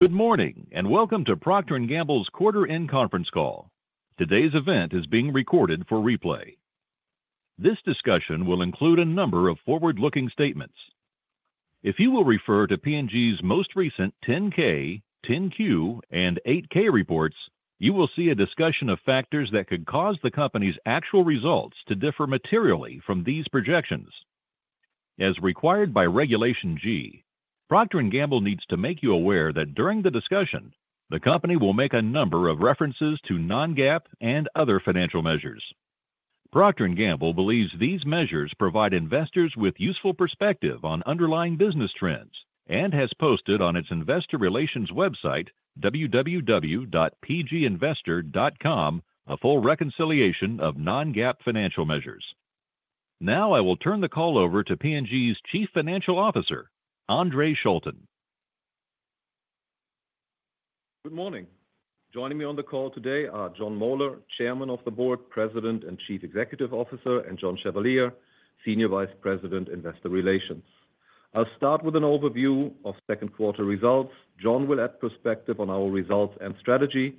Good morning and welcome to Procter & Gamble's quarter-end conference call. Today's event is being recorded for replay. This discussion will include a number of forward-looking statements. If you will refer to P&G's most recent 10-K, 10-Q, and 8-K reports, you will see a discussion of factors that could cause the company's actual results to differ materially from these projections. As required by Regulation G, Procter & Gamble needs to make you aware that during the discussion, the company will make a number of references to non-GAAP and other financial measures. Procter & Gamble believes these measures provide investors with useful perspective on underlying business trends and has posted on its investor relations website, www.pginvestor.com, a full reconciliation of non-GAAP financial measures. Now I will turn the call over to P&G's Chief Financial Officer, Andre Schulten. Good morning. Joining me on the call today are Jon Moeller, Chairman of the Board, President and Chief Executive Officer, and John Chevalier, Senior Vice President, Investor Relations. I'll start with an overview of second quarter results. Jon will add perspective on our results and strategy,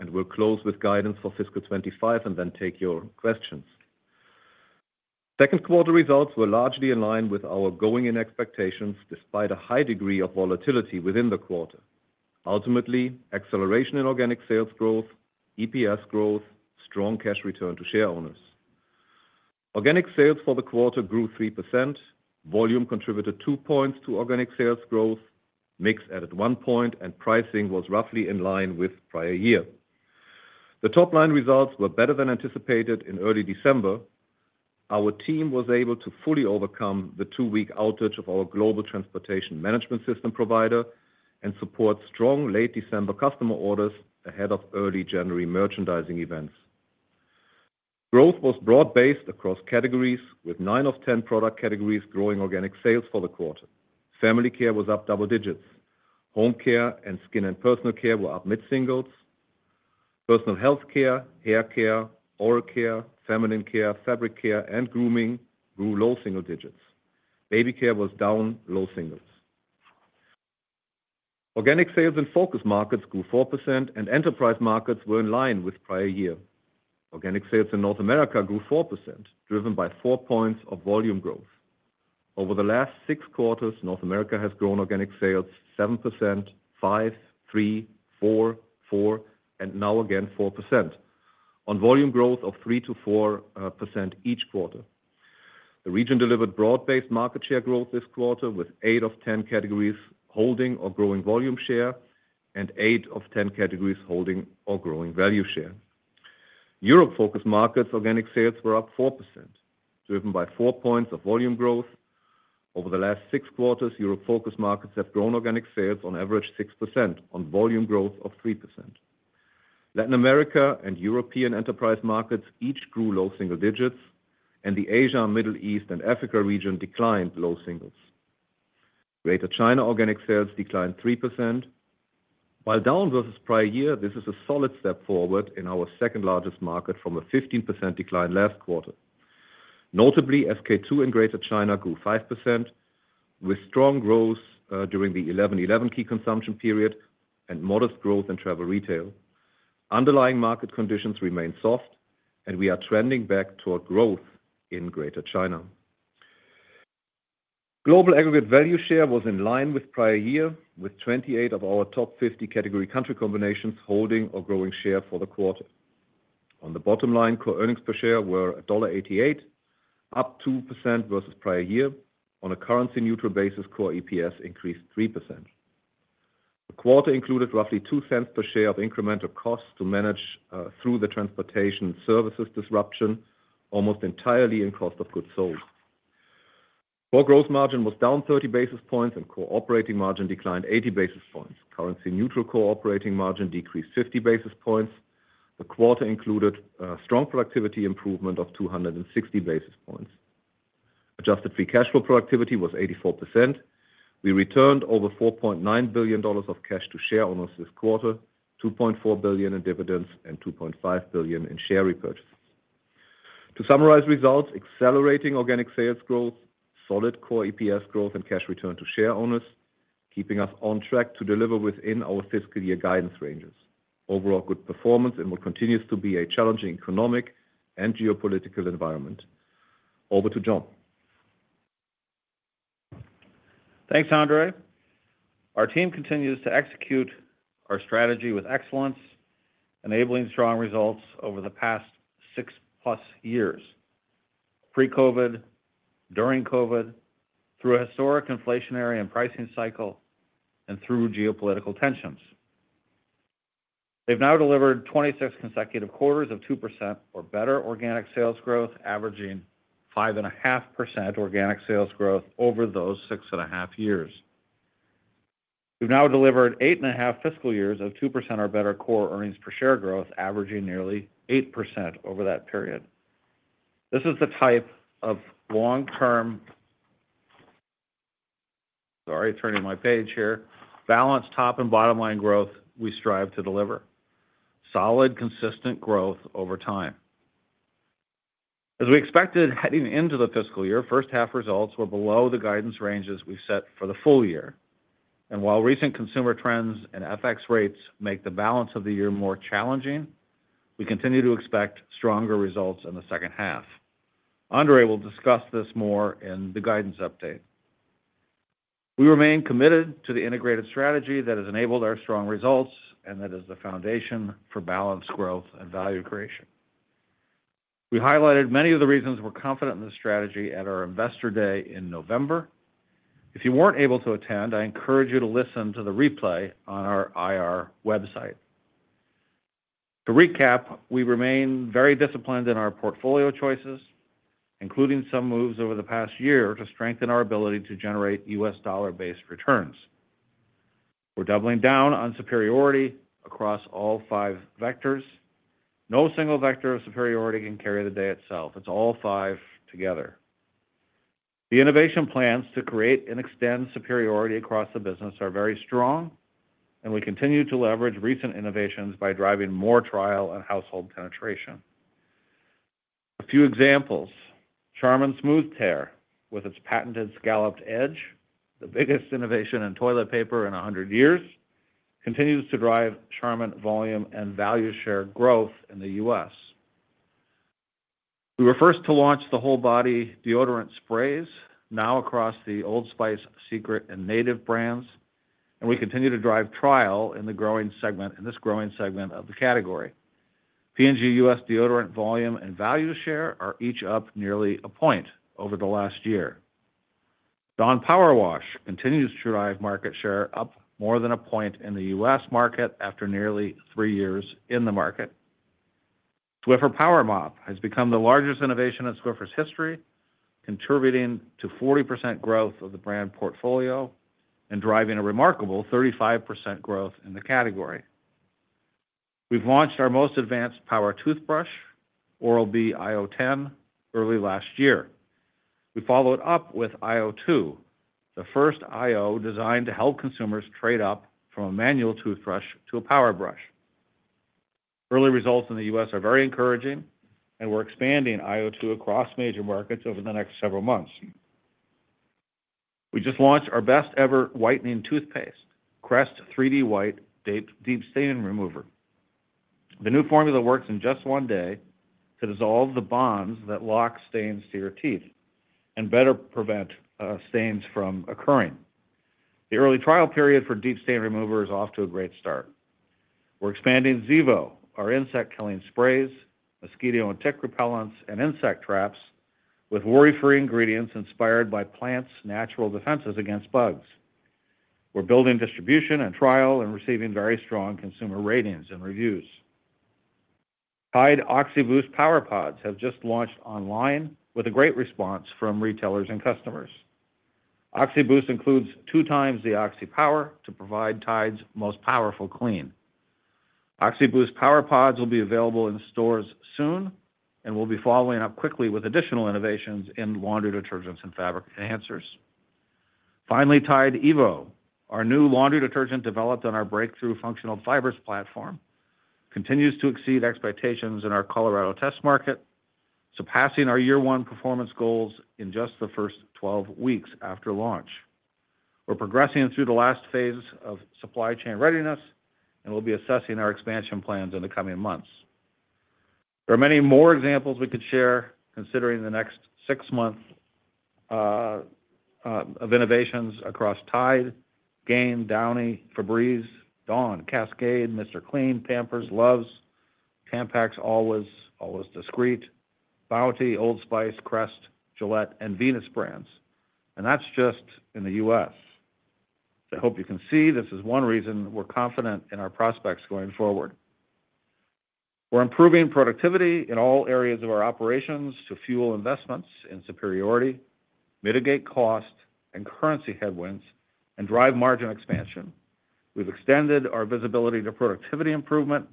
and we'll close with guidance for fiscal 2025 and then take your questions. Second quarter results were largely in line with our going-in expectations despite a high degree of volatility within the quarter. Ultimately, acceleration in organic sales growth, EPS growth, strong cash return to share owners. Organic sales for the quarter grew 3%. Volume contributed 2 points to organic sales growth. Mix added 1 point, and pricing was roughly in line with prior year. The top-line results were better than anticipated in early December. Our team was able to fully overcome the two-week outage of our global transportation management system provider and support strong late December customer orders ahead of early January merchandising events. Growth was broad-based across categories, with nine of 10 product categories growing organic sales for the quarter. Family Care was up double digits. Home Care and Skin and Personal Care were up mid-singles. Personal Health Care, Hair Care, Oral Care, Feminine Care, Fabric Care, and Grooming grew low single digits. Baby Care was down low singles. Organic sales in Focus Markets grew 4%, and Enterprise Markets were in line with prior year. Organic sales in North America grew 4%, driven by 4 points of volume growth. Over the last six quarters, North America has grown organic sales 7%, 5%, 3%, 4%, 4%, and now again 4% on volume growth of 3% to 4% each quarter. The region delivered broad-based market share growth this quarter with eight of 10 categories holding or growing volume share and eight of 10 categories holding or growing value share. Europe Focus Markets' organic sales were up 4%, driven by 4 points of volume growth. Over the last six quarters, Europe Focus Markets have grown organic sales on average 6% on volume growth of 3%. Latin America and European Enterprise Markets each grew low single digits, and the Asia, Middle East, and Africa region declined low singles. Greater China organic sales declined 3%. While down versus prior year, this is a solid step forward in our second-largest market from a 15% decline last quarter. Notably, SK-II in Greater China grew 5% with strong growth during the 11/11 key consumption period and modest growth in travel retail. Underlying market conditions remain soft, and we are trending back toward growth in Greater China. Global aggregate value share was in line with prior year, with 28 of our top 50 category country combinations holding or growing share for the quarter. On the bottom line, core earnings per share were $1.88, up 2% versus prior year. On a currency-neutral basis, core EPS increased 3%. The quarter included roughly $0.02 per share of incremental costs to manage through the transportation services disruption, almost entirely in cost of goods sold. Core gross margin was down 30 basis points, and core operating margin declined 80 basis points. Currency-neutral core operating margin decreased 50 basis points. The quarter included a strong productivity improvement of 260 basis points. Adjusted free cash flow productivity was 84%. We returned over $4.9 billion of cash to share owners this quarter, $2.4 billion in dividends and $2.5 billion in share repurchases. To summarize results, accelerating organic sales growth, solid Core EPS growth, and cash return to share owners keeping us on track to deliver within our fiscal year guidance ranges. Overall, good performance in what continues to be a challenging economic and geopolitical environment. Over to Jon. Thanks, Andre. Our team continues to execute our strategy with excellence, enabling strong results over the past six-plus years: pre-COVID, during COVID, through a historic inflationary and pricing cycle, and through geopolitical tensions. They've now delivered 26 consecutive quarters of 2% or better organic sales growth, averaging 5.5% organic sales growth over those six and a half years. We've now delivered eight and a half fiscal years of 2% or better core earnings per share growth, averaging nearly 8% over that period. This is the type of long-term, sorry, turning my page here, balanced top and bottom line growth we strive to deliver. Solid, consistent growth over time. As we expected heading into the fiscal year, first-half results were below the guidance ranges we've set for the full year. And while recent consumer trends and FX rates make the balance of the year more challenging, we continue to expect stronger results in the second half. Andre will discuss this more in the guidance update. We remain committed to the integrated strategy that has enabled our strong results and that is the foundation for balanced growth and value creation. We highlighted many of the reasons we're confident in the strategy at our Investor Day in November. If you weren't able to attend, I encourage you to listen to the replay on our IR website. To recap, we remain very disciplined in our portfolio choices, including some moves over the past year to strengthen our ability to generate U.S. dollar-based returns. We're doubling down on superiority across all five vectors. No single vector of superiority can carry the day itself. It's all five together. The innovation plans to create and extend superiority across the business are very strong, and we continue to leverage recent innovations by driving more trial and household penetration. A few examples: Charmin Smooth Tear with its patented scalloped edge, the biggest innovation in toilet paper in 100 years, continues to drive Charmin volume and value share growth in the U.S. We were first to launch the whole body deodorant sprays, now across the Old Spice, Secret, and Native brands, and we continue to drive trial in the growing segment of the category. P&G U.S. deodorant volume and value share are each up nearly a point over the last year. Dawn Powerwash continues to drive market share up more than a point in the U.S. market after nearly three years in the market. Swiffer PowerMop has become the largest innovation in Swiffer's history, contributing to 40% growth of the brand portfolio and driving a remarkable 35% growth in the category. We've launched our most advanced power toothbrush, Oral-B iO10, early last year. We follow it up with iO2, the first iO designed to help consumers trade up from a manual toothbrush to a power brush. Early results in the U.S. are very encouraging, and we're expanding iO2 across major markets over the next several months. We just launched our best-ever whitening toothpaste, Crest 3D White Deep Stain Remover. The new formula works in just one day to dissolve the bonds that lock stains to your teeth and better prevent stains from occurring. The early trial period for Deep Stain Remover is off to a great start. We're expanding Zevo, our insect killing sprays, mosquito and tick repellents, and insect traps with worry-free ingredients inspired by plants' natural defenses against bugs. We're building distribution and trial and receiving very strong consumer ratings and reviews. Tide OxiBoost Power PODS have just launched online with a great response from retailers and customers. OxiBoost includes two times the Oxi Power to provide Tide's most powerful clean. Oxi Boost Power PODS will be available in stores soon and will be following up quickly with additional innovations in laundry detergents and fabric enhancers. Finally, Tide evo, our new laundry detergent developed on our breakthrough functional fibers platform, continues to exceed expectations in our Colorado test market, surpassing our year-one performance goals in just the first 12 weeks after launch. We're progressing through the last phase of supply chain readiness and will be assessing our expansion plans in the coming months. There are many more examples we could share considering the next six months of innovations across Tide, Gain, Downy, Febreze, Dawn, Cascade, Mr. Clean, Pampers, Luvs, Tampax, Always, Always Discreet, Bounty, Old Spice, Crest, Gillette, and Venus brands, and that's just in the US. I hope you can see this is one reason we're confident in our prospects going forward. We're improving productivity in all areas of our operations to fuel investments in superiority, mitigate cost and currency headwinds, and drive margin expansion. We've extended our visibility to productivity improvement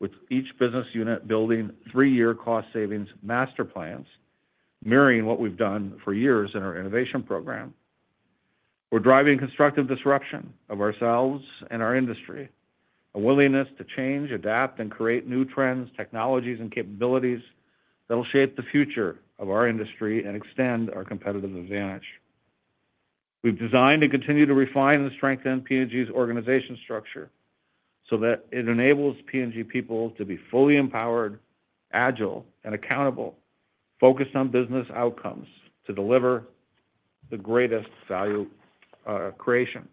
with each business unit building three-year cost savings master plans, mirroring what we've done for years in our innovation program. We're driving constructive disruption of ourselves and our industry, a willingness to change, adapt, and create new trends, technologies, and capabilities that will shape the future of our industry and extend our competitive advantage. We've designed and continue to refine and strengthen P&G's organization structure so that it enables P&G people to be fully empowered, agile, and accountable, focused on business outcomes to deliver the greatest value creation.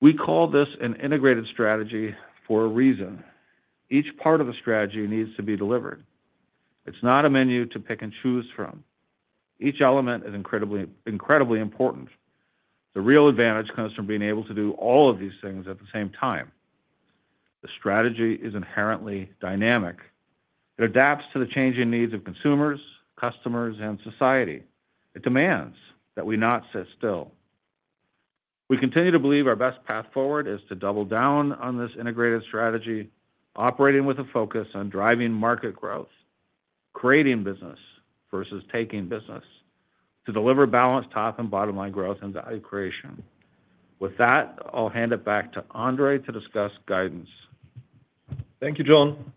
We call this an integrated strategy for a reason. Each part of the strategy needs to be delivered. It's not a menu to pick and choose from. Each element is incredibly important. The real advantage comes from being able to do all of these things at the same time. The strategy is inherently dynamic. It adapts to the changing needs of consumers, customers, and society. It demands that we not sit still. We continue to believe our best path forward is to double down on this integrated strategy, operating with a focus on driving market growth, creating business versus taking business, to deliver balanced top and bottom line growth and value creation. With that, I'll hand it back to Andre to discuss guidance. Thank you, Jon.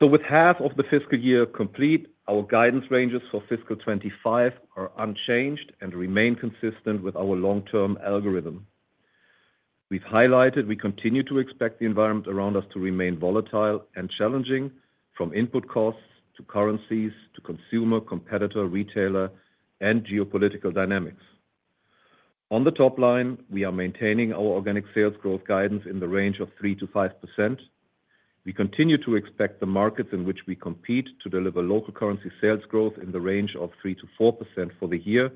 With half of the fiscal year complete, our guidance ranges for Fiscal 2025 are unchanged and remain consistent with our long-term algorithm. We've highlighted we continue to expect the environment around us to remain volatile and challenging, from input costs to currencies to consumer, competitor, retailer, and geopolitical dynamics. On the top line, we are maintaining our organic sales growth guidance in the range of 3%-5%. We continue to expect the markets in which we compete to deliver local currency sales growth in the range of 3%-4% for the year,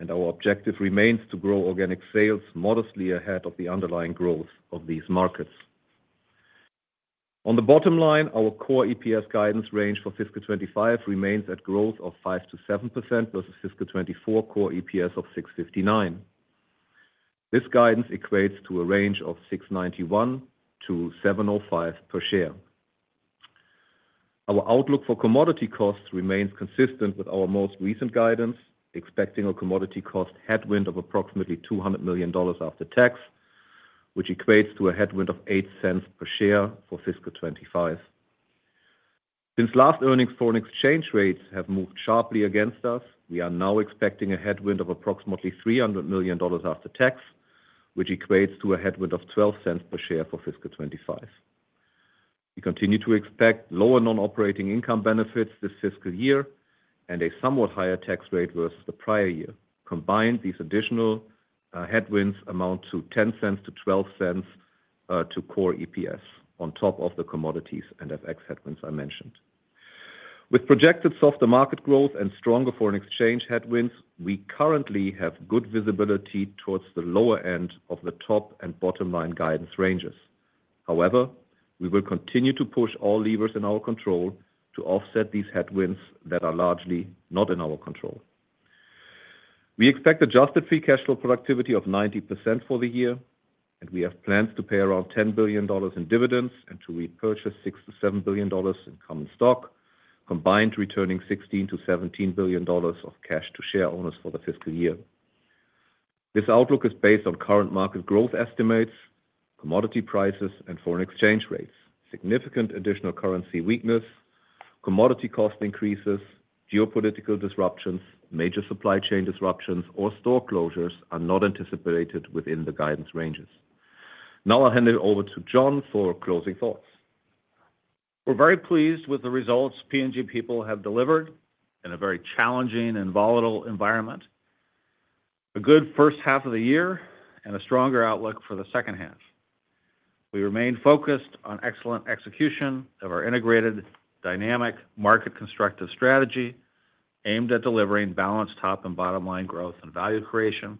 and our objective remains to grow organic sales modestly ahead of the underlying growth of these markets. On the bottom line, our core EPS guidance range for Fiscal 2025 remains at growth of 5%-7% versus Fiscal 2024 core EPS of $6.59. This guidance equates to a range of 6.91-7.05 per share. Our outlook for commodity costs remains consistent with our most recent guidance, expecting a commodity cost headwind of approximately $200 million after tax, which equates to a headwind of $0.08 per share for fiscal 2025. Since last earnings foreign exchange rate have moved sharply against us, we are now expecting a headwind of approximately $300 million after tax, which equates to a headwind of $0.12 per share for fiscal 2025. We continue to expect lower non-operating income benefits this fiscal year and a somewhat higher tax rate versus the prior year. Combined, these additional headwinds amount to $0.10-$0.12 to Core EPS on top of the commodities and FX headwinds I mentioned. With projected softer market growth and stronger foreign exchange headwinds, we currently have good visibility towards the lower end of the top and bottom line guidance ranges. However, we will continue to push all levers in our control to offset these headwinds that are largely not in our control. We expect adjusted free cash flow productivity of 90% for the year, and we have plans to pay around $10 billion in dividends and to repurchase $6-$7 billion in common stock, combined returning $16-$17 billion of cash to share owners for the fiscal year. This outlook is based on current market growth estimates, commodity prices, and foreign exchange rates. Significant additional currency weakness, commodity cost increases, geopolitical disruptions, major supply chain disruptions, or store closures are not anticipated within the guidance ranges. Now I'll hand it over to Jon for closing thoughts. We're very pleased with the results P&G people have delivered in a very challenging and volatile environment, a good first half of the year, and a stronger outlook for the second half. We remain focused on excellent execution of our integrated, dynamic, market-constructive strategy aimed at delivering balanced top and bottom line growth and value creation,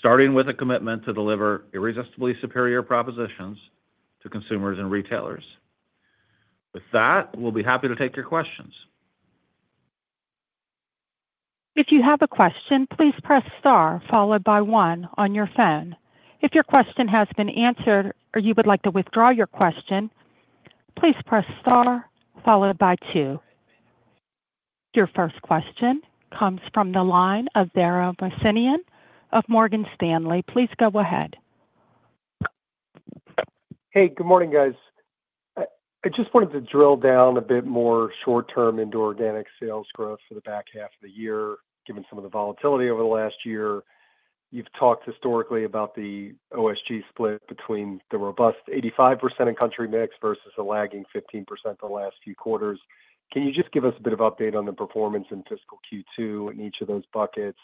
starting with a commitment to deliver irresistibly superior propositions to consumers and retailers. With that, we'll be happy to take your questions. If you have a question, please press star followed by one on your phone. If your question has been answered or you would like to withdraw your question, please press star followed by two. Your first question comes from the line of Dara Mohsenian of Morgan Stanley. Please go ahead. Hey, good morning, guys. I just wanted to drill down a bit more short-term into organic sales growth for the back half of the year, given some of the volatility over the last year. You've talked historically about the OSG split between the robust 85% in country mix versus the lagging 15% the last few quarters. Can you just give us a bit of update on the performance in fiscal Q2 in each of those buckets?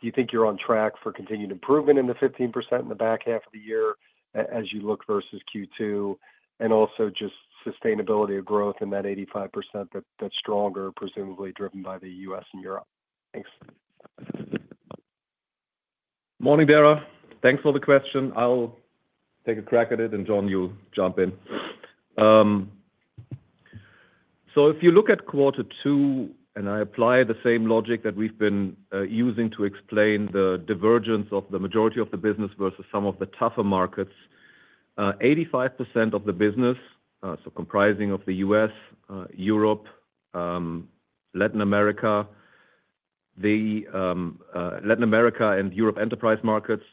Do you think you're on track for continued improvement in the 15% in the back half of the year as you look versus Q2? And also just sustainability of growth in that 85% that's stronger, presumably driven by the U.S. and Europe. Thanks. Morning, Dara. Thanks for the question. I'll take a crack at it, and Jon, you'll jump in. If you look at quarter two and I apply the same logic that we've been using to explain the divergence of the majority of the business versus some of the tougher markets, 85% of the business, so comprising of the U.S., Europe, Latin America, Latin America and Europe Enterprise Markets,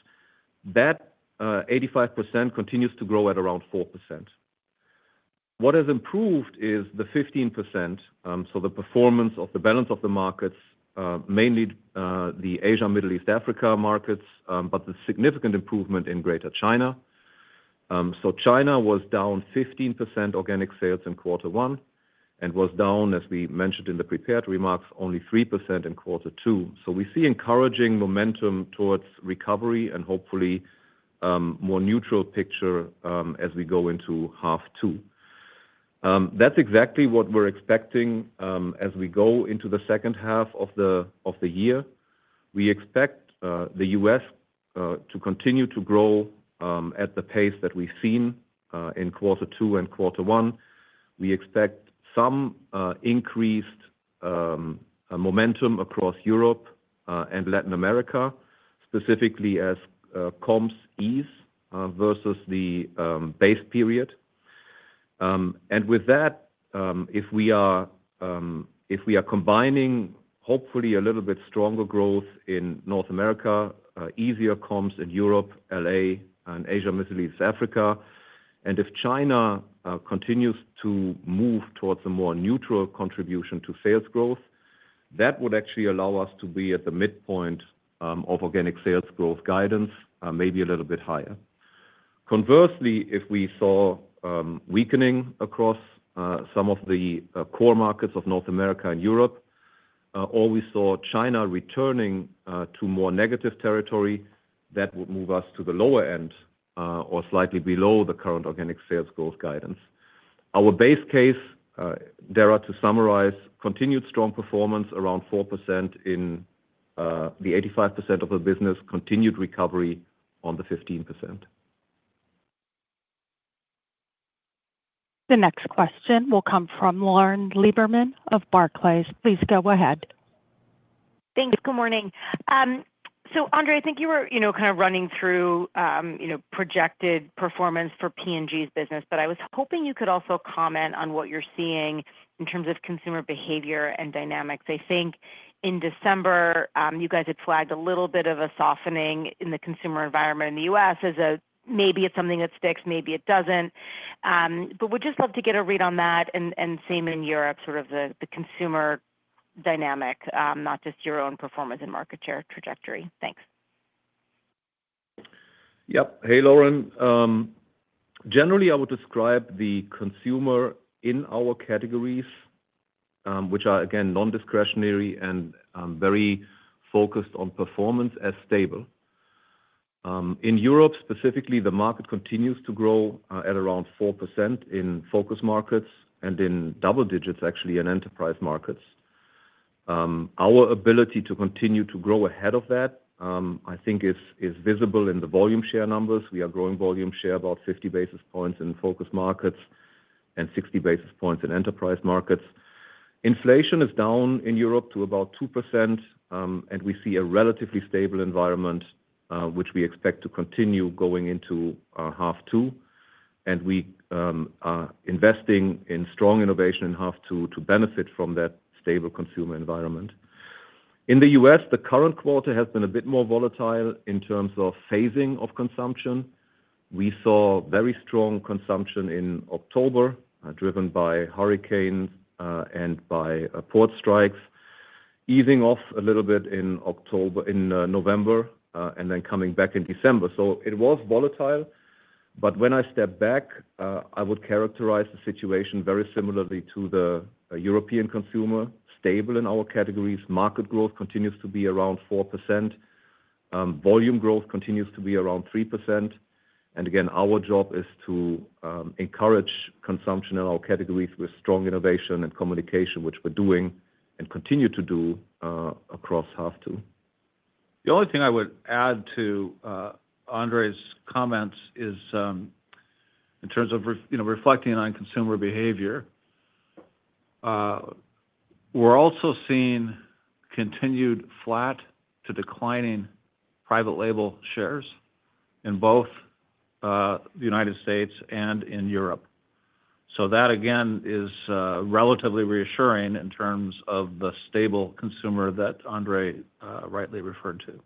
that 85% continues to grow at around 4%. What has improved is the 15%, so the performance of the balance of the markets, mainly the Asia, Middle East, Africa markets, but the significant improvement in Greater China. China was down 15% organic sales in quarter one and was down, as we mentioned in the prepared remarks, only 3% in quarter two. We see encouraging momentum towards recovery and hopefully more neutral picture as we go into half two. That's exactly what we're expecting as we go into the second half of the year. We expect the U.S. to continue to grow at the pace that we've seen in quarter two and quarter one. We expect some increased momentum across Europe and Latin America, specifically as comps ease versus the base period. And with that, if we are combining, hopefully a little bit stronger growth in North America, easier comps in Europe, LA, and Asia, Middle East, Africa. And if China continues to move towards a more neutral contribution to sales growth, that would actually allow us to be at the midpoint of organic sales growth guidance, maybe a little bit higher. Conversely, if we saw weakening across some of the core markets of North America and Europe, or we saw China returning to more negative territory, that would move us to the lower end or slightly below the current organic sales growth guidance. Our base case to summarize: continued strong performance around 4% in the 85% of the business, continued recovery on the 15%. The next question will come from Lauren Lieberman of Barclays. Please go ahead. Thanks. Good morning. So Andrea, I think you were kind of running through projected performance for P&G's business, but I was hoping you could also comment on what you're seeing in terms of consumer behavior and dynamics. I think in December, you guys had flagged a little bit of a softening in the consumer environment in the U.S. as a maybe it's something that sticks, maybe it doesn't. But we'd just love to get a read on that and same in Europe, sort of the consumer dynamic, not just your own performance and market share trajectory. Thanks. Yep. Hey, Lauren. Generally, I would describe the consumer in our categories, which are again non-discretionary and very focused on performance as stable. In Europe, specifically, the market continues to grow at around 4% in focus markets and in double digits, actually, in Enterprise Markets. Our ability to continue to grow ahead of that, I think, is visible in the volume share numbers. We are growing volume share about 50 basis points in focus markets and 60 basis points in Enterprise Markets. Inflation is down in Europe to about 2%, and we see a relatively stable environment, which we expect to continue going into half two, and we are investing in strong innovation in half two to benefit from that stable consumer environment. In the U.S., the current quarter has been a bit more volatile in terms of phasing of consumption. We saw very strong consumption in October, driven by hurricanes and by port strikes, easing off a little bit in November and then coming back in December. So it was volatile. But when I step back, I would characterize the situation very similarly to the European consumer, stable in our categories. Market growth continues to be around 4%. Volume growth continues to be around 3%. And again, our job is to encourage consumption in our categories with strong innovation and communication, which we're doing and continue to do across half two. The only thing I would add to Andre's comments is in terms of reflecting on consumer behavior, we're also seeing continued flat to declining private label shares in both the United States and in Europe. So that, again, is relatively reassuring in terms of the stable consumer that Andre rightly referred to.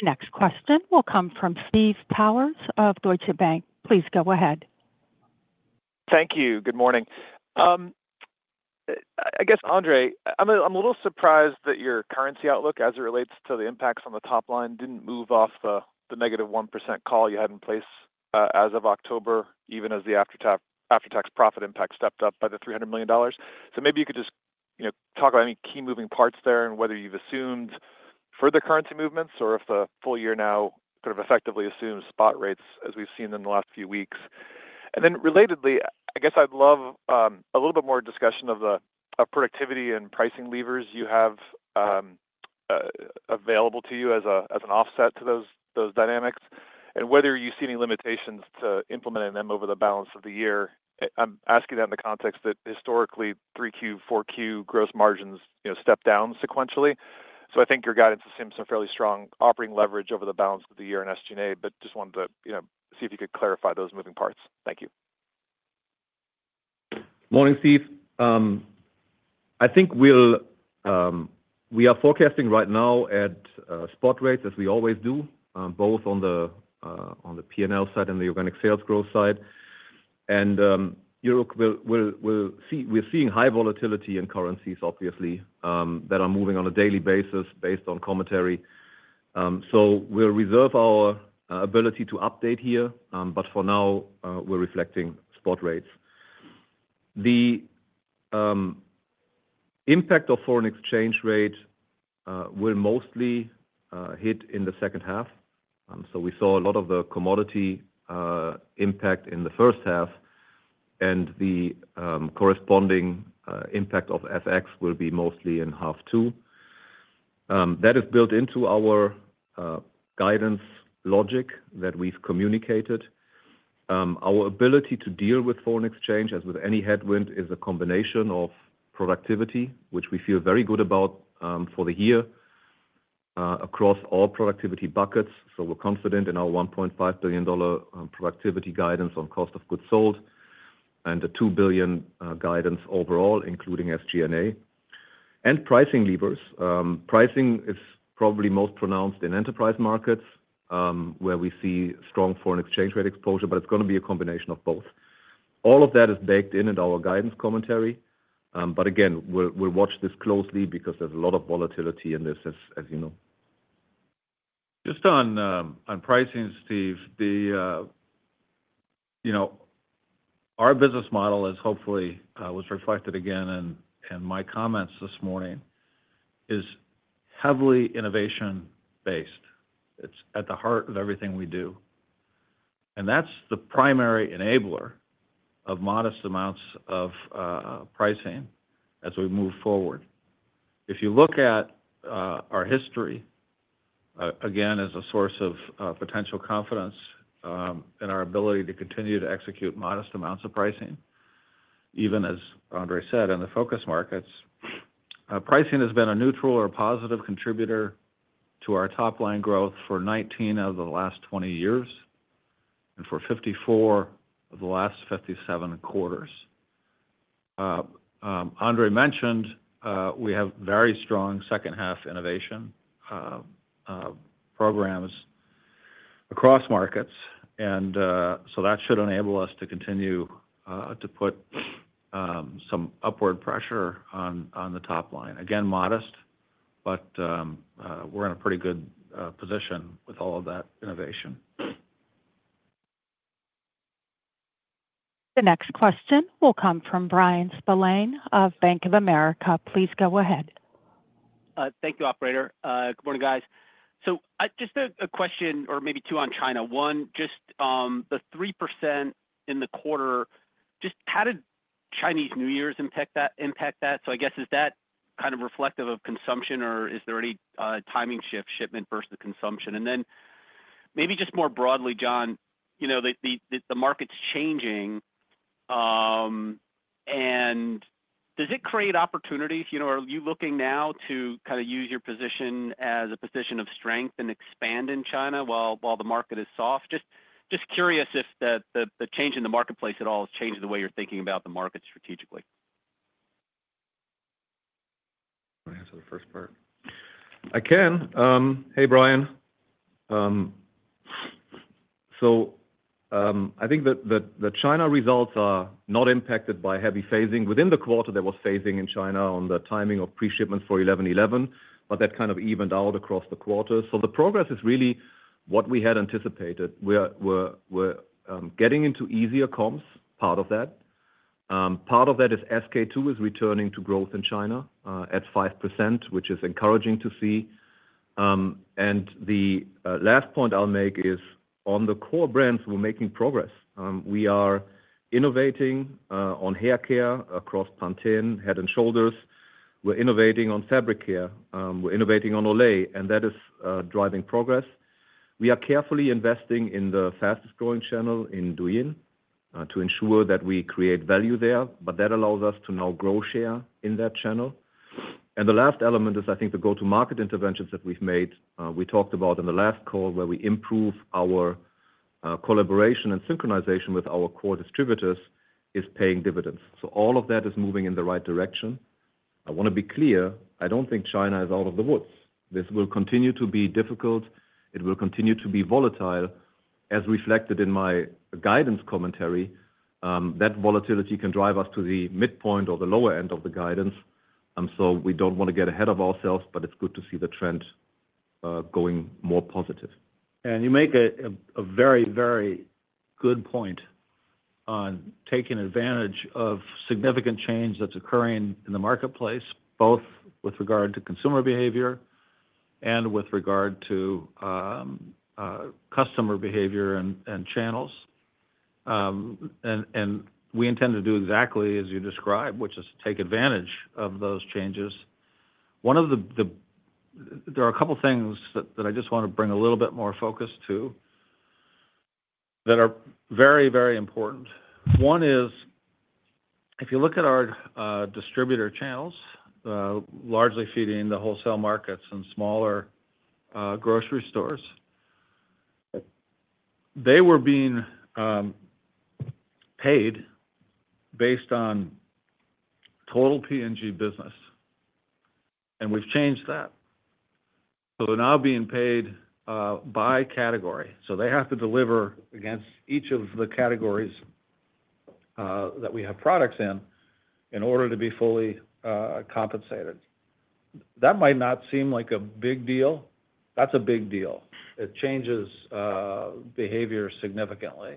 The next question will come from Steve Powers of Deutsche Bank. Please go ahead. Thank you. Good morning. I guess, Andrea, I'm a little surprised that your currency outlook as it relates to the impacts on the top line didn't move off the negative 1% call you had in place as of October, even as the after-tax profit impact stepped up by the $300 million, so maybe you could just talk about any key moving parts there and whether you've assumed further currency movements or if the full year now sort of effectively assumes spot rates as we've seen in the last few weeks, and then relatedly, I guess I'd love a little bit more discussion of the productivity and pricing levers you have available to you as an offset to those dynamics and whether you see any limitations to implementing them over the balance of the year. I'm asking that in the context that historically 3Q, 4Q gross margins step down sequentially. So I think your guidance assumes some fairly strong operating leverage over the balance of the year in SG&A, but just wanted to see if you could clarify those moving parts. Thank you. Morning, Steve. I think we are forecasting right now at spot rates, as we always do, both on the P&L side and the organic sales growth side, and we're seeing high volatility in currencies, obviously, that are moving on a daily basis based on commentary, so we'll reserve our ability to update here, but for now, we're reflecting spot rates. The impact of foreign exchange rate will mostly hit in the second half, so we saw a lot of the commodity impact in the first half, and the corresponding impact of FX will be mostly in half two. That is built into our guidance logic that we've communicated. Our ability to deal with foreign exchange, as with any headwind, is a combination of productivity, which we feel very good about for the year, across all productivity buckets. So we're confident in our $1.5 billion productivity guidance on cost of goods sold and the $2 billion guidance overall, including SG&A. And pricing levers. Pricing is probably most pronounced in Enterprise Markets where we see strong foreign exchange rate exposure, but it's going to be a combination of both. All of that is baked in our guidance commentary. But again, we'll watch this closely because there's a lot of volatility in this, as you know. Just on pricing, Steve, our business model is hopefully was reflected again in my comments this morning, is heavily innovation-based. It's at the heart of everything we do. And that's the primary enabler of modest amounts of pricing as we move forward. If you look at our history, again, as a source of potential confidence in our ability to continue to execute modest amounts of pricing, even as Andre said, in the Focus Markets, pricing has been a neutral or positive contributor to our top line growth for 19 of the last 20 years and for 54 of the last 57 quarters. Andre mentioned we have very strong second-half innovation programs across markets. And so that should enable us to continue to put some upward pressure on the top line. Again, modest, but we're in a pretty good position with all of that innovation. The next question will come from Bryan Spillane of Bank of America. Please go ahead. Thank you, Operator. Good morning, guys. So just a question or maybe two on China. One, just the 3% in the quarter, just how did Chinese New Year's impact that? So I guess is that kind of reflective of consumption, or is there any timing shift, shipment versus consumption? And then maybe just more broadly, Jon, the market's changing. And does it create opportunities? Are you looking now to kind of use your position as a position of strength and expand in China while the market is soft? Just curious if the change in the marketplace at all has changed the way you're thinking about the market strategically. Can I answer the first part? I can. Hey, Bryan. So I think that the China results are not impacted by heavy phasing. Within the quarter, there was phasing in China on the timing of pre-shipment for 11/11, but that kind of evened out across the quarter. So the progress is really what we had anticipated. We're getting into easier comps, part of that. Part of that is SK-II is returning to growth in China at 5%, which is encouraging to see. And the last point I'll make is on the core brands, we're making progress. We are innovating on hair care across Pantene, Head & Shoulders. We're innovating on fabric care. We're innovating on Olay, and that is driving progress. We are carefully investing in the fastest growing channel in Douyin to ensure that we create value there, but that allows us to now grow share in that channel. The last element is, I think, the go-to-market interventions that we've made. We talked about in the last call where we improve our collaboration and synchronization with our core distributors is paying dividends. So all of that is moving in the right direction. I want to be clear, I don't think China is out of the woods. This will continue to be difficult. It will continue to be volatile, as reflected in my guidance commentary. That volatility can drive us to the midpoint or the lower end of the guidance. So we don't want to get ahead of ourselves, but it's good to see the trend going more positive. You make a very, very good point on taking advantage of significant change that's occurring in the marketplace, both with regard to consumer behavior and with regard to customer behavior and channels. We intend to do exactly as you describe, which is take advantage of those changes. There are a couple of things that I just want to bring a little bit more focus to that are very, very important. One is, if you look at our distributor channels, largely feeding the wholesale markets and smaller grocery stores, they were being paid based on total P&G business. We've changed that. So they're now being paid by category. So they have to deliver against each of the categories that we have products in in order to be fully compensated. That might not seem like a big deal. That's a big deal. It changes behavior significantly.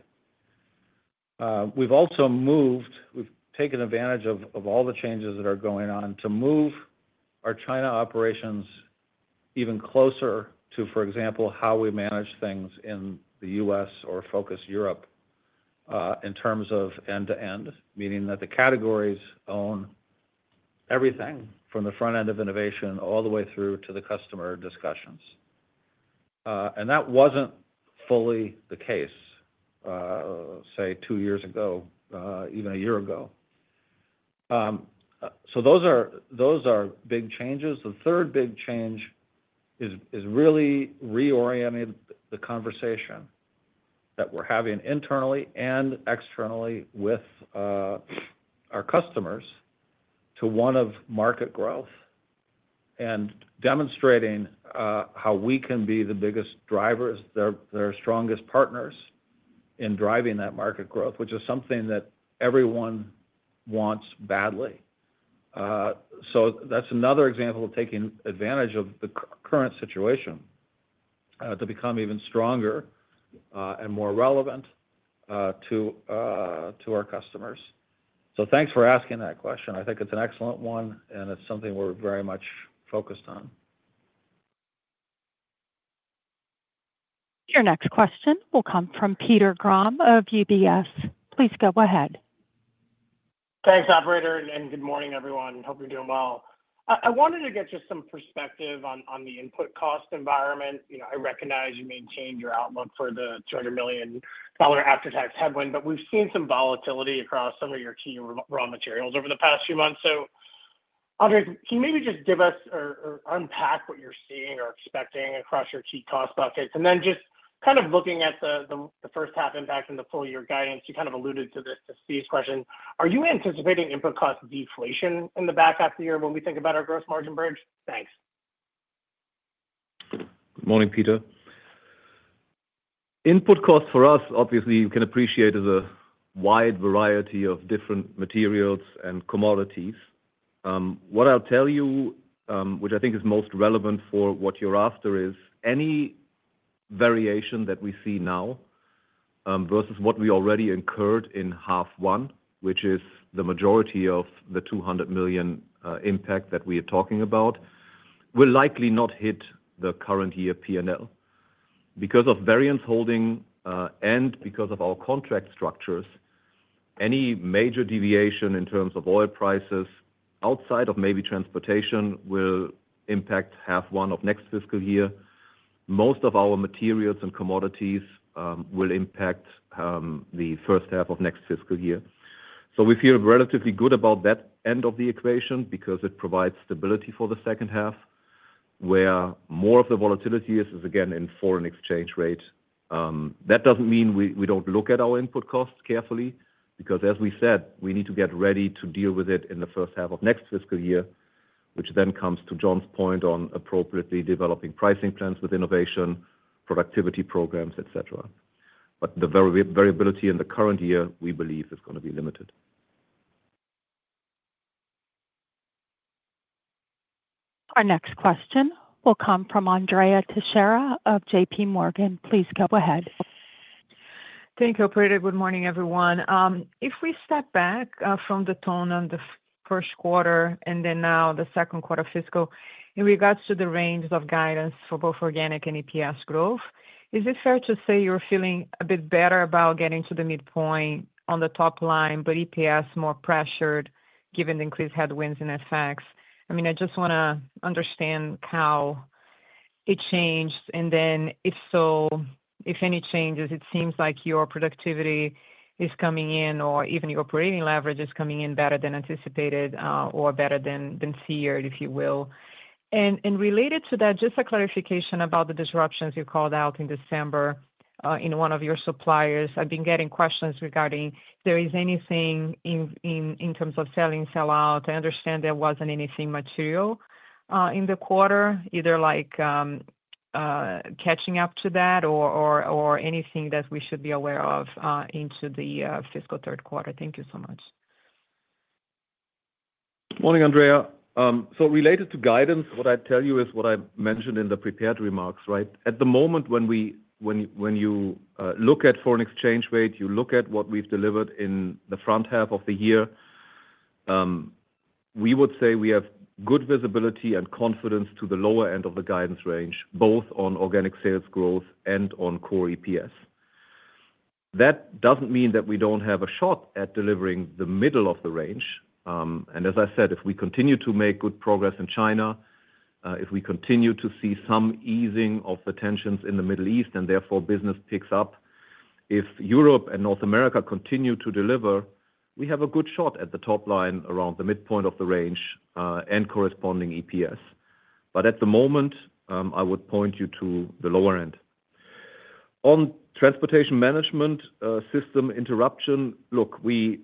We've also moved. We've taken advantage of all the changes that are going on to move our China operations even closer to, for example, how we manage things in the U.S. or Focus Europe in terms of end-to-end, meaning that the categories own everything from the front end of innovation all the way through to the customer discussions. And that wasn't fully the case, say, two years ago, even a year ago. So those are big changes. The third big change is really reorienting the conversation that we're having internally and externally with our customers to one of market growth and demonstrating how we can be the biggest drivers, their strongest partners in driving that market growth, which is something that everyone wants badly. So that's another example of taking advantage of the current situation to become even stronger and more relevant to our customers. So thanks for asking that question. I think it's an excellent one, and it's something we're very much focused on. Your next question will come from Peter Grom of UBS. Please go ahead. Thanks, Operator. Good morning, everyone. Hope you're doing well. I wanted to get just some perspective on the input cost environment. I recognize you maintained your outlook for the $200 million after-tax headwind, but we've seen some volatility across some of your key raw materials over the past few months. Andrea, can you maybe just give us or unpack what you're seeing or expecting across your key cost buckets? Just kind of looking at the first half impact in the full year guidance, you kind of alluded to this to Steve's question. Are you anticipating input cost deflation in the back half of the year when we think about our gross margin bridge? Thanks. Good morning, Peter. Input cost for us, obviously, you can appreciate is a wide variety of different materials and commodities. What I'll tell you, which I think is most relevant for what you're after, is any variation that we see now versus what we already incurred in half one, which is the majority of the $200 million impact that we are talking about, will likely not hit the current year P&L. Because of variance holding and because of our contract structures, any major deviation in terms of oil prices outside of maybe transportation will impact half one of next fiscal year. Most of our materials and commodities will impact the first half of next fiscal year. So we feel relatively good about that end of the equation because it provides stability for the second half, where more of the volatility is, again, in foreign exchange rate. That doesn't mean we don't look at our input costs carefully because, as we said, we need to get ready to deal with it in the first half of next fiscal year, which then comes to Jon's point on appropriately developing pricing plans with innovation, productivity programs, etc. But the variability in the current year, we believe, is going to be limited. Our next question will come from Andrea Teixeira of JPMorgan. Please go ahead. Thank you, Operator. Good morning, everyone. If we step back from the tone on the first quarter and then now the second quarter fiscal in regards to the range of guidance for both organic and EPS growth, is it fair to say you're feeling a bit better about getting to the midpoint on the top line, but EPS more pressured given the increased headwinds in FX? I mean, I just want to understand how it changed. Then if so, if any changes, it seems like your productivity is coming in or even your operating leverage is coming in better than anticipated or better than feared, if you will. Related to that, just a clarification about the disruptions you called out in December in one of your suppliers. I've been getting questions regarding there is anything in terms of selling, sell out. I understand there wasn't anything material in the quarter, either catching up to that or anything that we should be aware of into the fiscal third quarter. Thank you so much. Good morning, Andrea. So related to guidance, what I'd tell you is what I mentioned in the prepared remarks, right? At the moment, when you look at foreign exchange rate, you look at what we've delivered in the front half of the year. We would say we have good visibility and confidence to the lower end of the guidance range, both on organic sales growth and on core EPS. That doesn't mean that we don't have a shot at delivering the middle of the range. And as I said, if we continue to make good progress in China, if we continue to see some easing of the tensions in the Middle East and therefore business picks up, if Europe and North America continue to deliver, we have a good shot at the top line around the midpoint of the range and corresponding EPS. But at the moment, I would point you to the lower end. On Transportation Management System interruption, look, we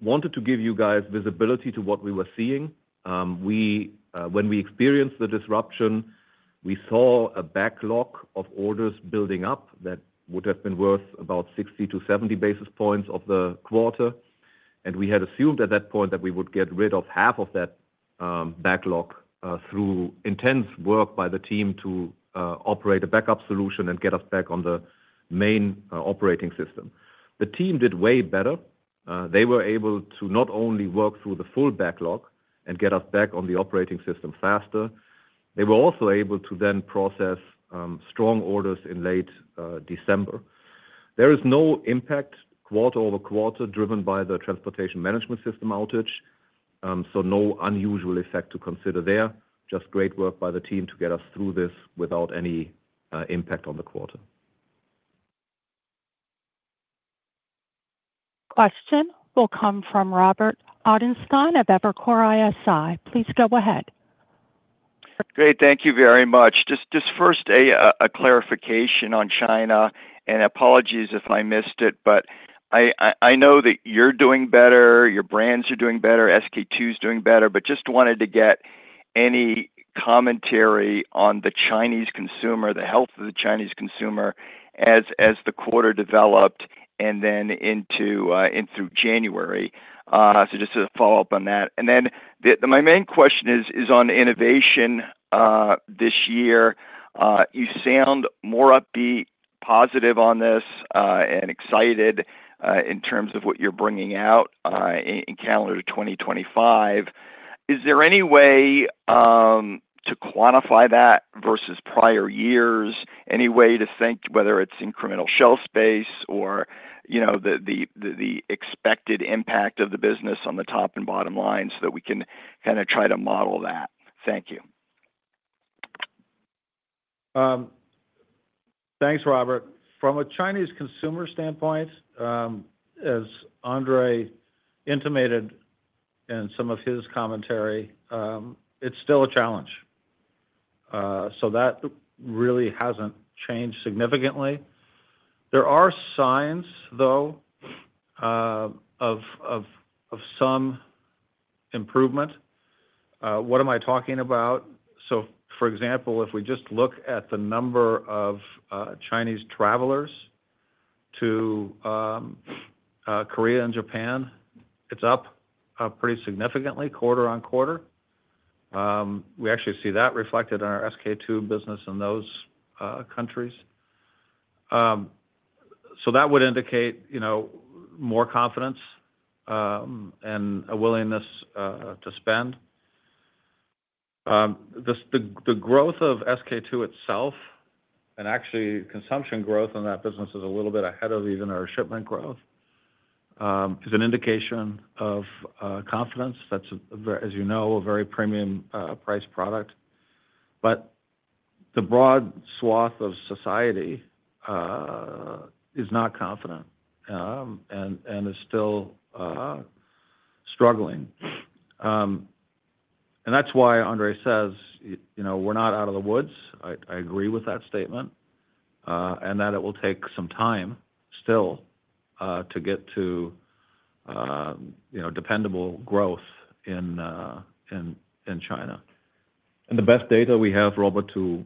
wanted to give you guys visibility to what we were seeing. When we experienced the disruption, we saw a backlog of orders building up that would have been worth about 60-70 basis points of the quarter. And we had assumed at that point that we would get rid of half of that backlog through intense work by the team to operate a backup solution and get us back on the main operating system. The team did way better. They were able to not only work through the full backlog and get us back on the operating system faster, they were also able to then process strong orders in late December. There is no impact quarter-over-quarter driven by the Transportation Management System outage. So no unusual effect to consider there. Just great work by the team to get us through this without any impact on the quarter. Question will come from Robert Ottenstein of Evercore ISI. Please go ahead. Great. Thank you very much. Just first, a clarification on China. And apologies if I missed it, but I know that you're doing better. Your brands are doing better. SK-II is doing better. But just wanted to get any commentary on the Chinese consumer, the health of the Chinese consumer as the quarter developed and then into through January. So just to follow up on that. And then my main question is on innovation this year. You sound more upbeat, positive on this and excited in terms of what you're bringing out in calendar 2025. Is there any way to quantify that versus prior years? Any way to think whether it's incremental shelf space or the expected impact of the business on the top and bottom lines so that we can kind of try to model that? Thank you. Thanks, Robert. From a Chinese consumer standpoint, as Andre intimated in some of his commentary, it's still a challenge, so that really hasn't changed significantly. There are signs, though, of some improvement. What am I talking about? For example, if we just look at the number of Chinese travelers to Korea and Japan, it's up pretty significantly quarter on quarter. We actually see that reflected in our SK-II business in those countries, so that would indicate more confidence and a willingness to spend. The growth of SK-II itself and actually consumption growth in that business is a little bit ahead of even our shipment growth. It's an indication of confidence. That's, as you know, a very premium-priced product. But the broad swath of society is not confident and is still struggling. That's why Andre says, "We're not out of the woods." I agree with that statement and that it will take some time still to get to dependable growth in China. The best data we have, Robert, to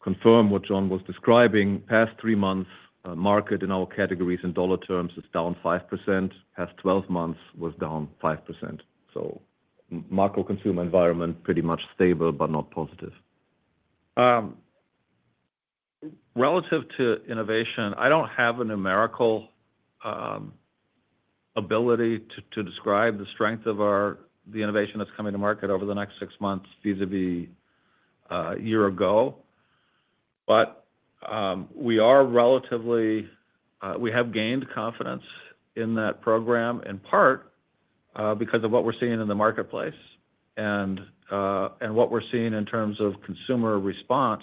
confirm what Jon was describing, past three months market in all categories in dollar terms is down 5%. Past 12 months was down 5%. So macro consumer environment pretty much stable, but not positive. Relative to innovation, I don't have a numerical ability to describe the strength of the innovation that's coming to market over the next six months vis-à-vis a year ago. But relatively, we have gained confidence in that program in part because of what we're seeing in the marketplace and what we're seeing in terms of consumer response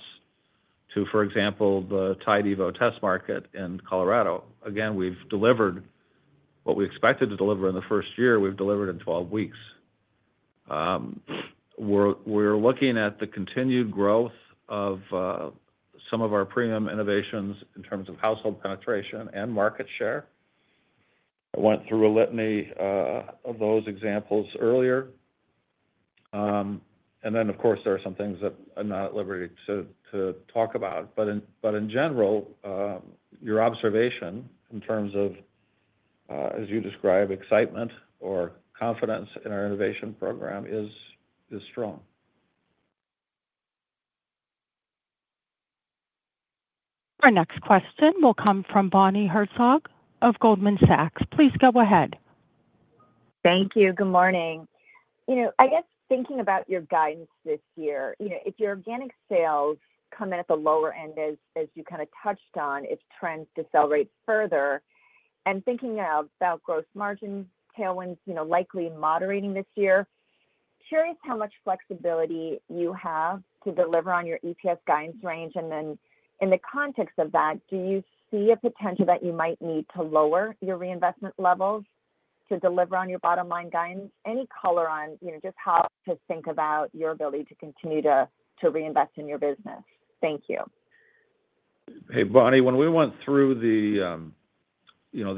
to, for example, the Tide evo test market in Colorado. Again, we've delivered what we expected to deliver in the first year. We've delivered in 12 weeks. We're looking at the continued growth of some of our premium innovations in terms of household penetration and market share. I went through a litany of those examples earlier. And then, of course, there are some things that I'm not liberated to talk about. But in general, your observation in terms of, as you describe, excitement or confidence in our innovation program is strong. Our next question will come from Bonnie Herzog of Goldman Sachs. Please go ahead. Thank you. Good morning. I guess thinking about your guidance this year, if your organic sales come in at the lower end, as you kind of touched on, if trends decelerate further, and thinking about gross margin tailwinds likely moderating this year, curious how much flexibility you have to deliver on your EPS guidance range? And then in the context of that, do you see a potential that you might need to lower your reinvestment levels to deliver on your bottom line guidance? Any color on just how to think about your ability to continue to reinvest in your business? Thank you. Hey, Bonnie, when we went through the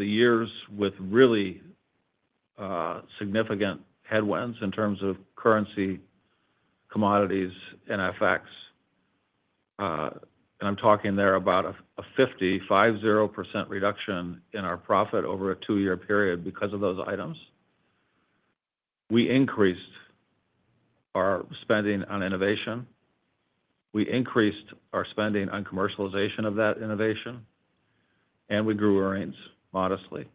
years with really significant headwinds in terms of currency, commodities, and FX, and I'm talking there about a 50% reduction in our profit over a two-year period because of those items, we increased our spending on innovation. We increased our spending on commercialization of that innovation, and we grew earnings modestly.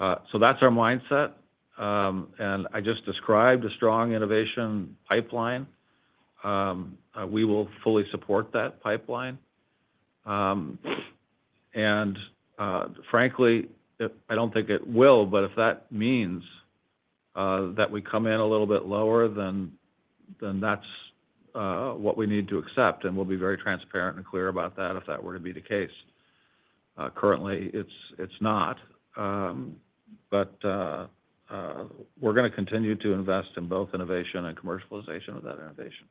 So that's our mindset. And I just described a strong innovation pipeline. We will fully support that pipeline. And frankly, I don't think it will, but if that means that we come in a little bit lower, then that's what we need to accept. And we'll be very transparent and clear about that if that were to be the case. Currently, it's not. But we're going to continue to invest in both innovation and commercialization of that innovation.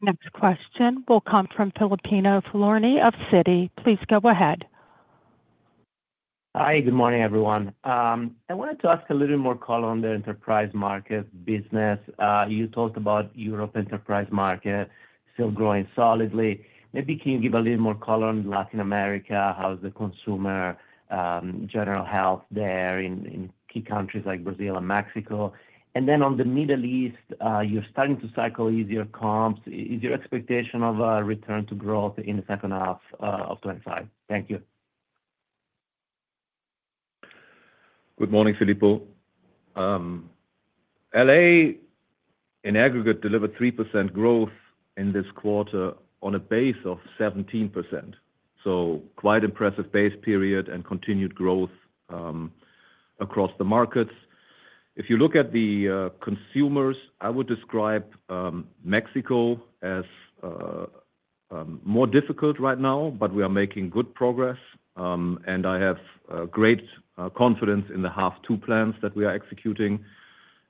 Next question will come from Filippo Falorni of Citi. Please go ahead. Hi, good morning, everyone. I wanted to ask a little more color on the enterprise market business. You talked about Europe enterprise market still growing solidly. Maybe can you give a little more color on Latin America? How's the consumer general health there in key countries like Brazil and Mexico? And then on the Middle East, you're starting to cycle easier comps. Is your expectation of a return to growth in the second half of 2025? Thank you. Good morning, Filippo. LA in aggregate delivered 3% growth in this quarter on a base of 17%. So quite impressive base period and continued growth across the markets. If you look at the consumers, I would describe Mexico as more difficult right now, but we are making good progress. And I have great confidence in the half two plans that we are executing.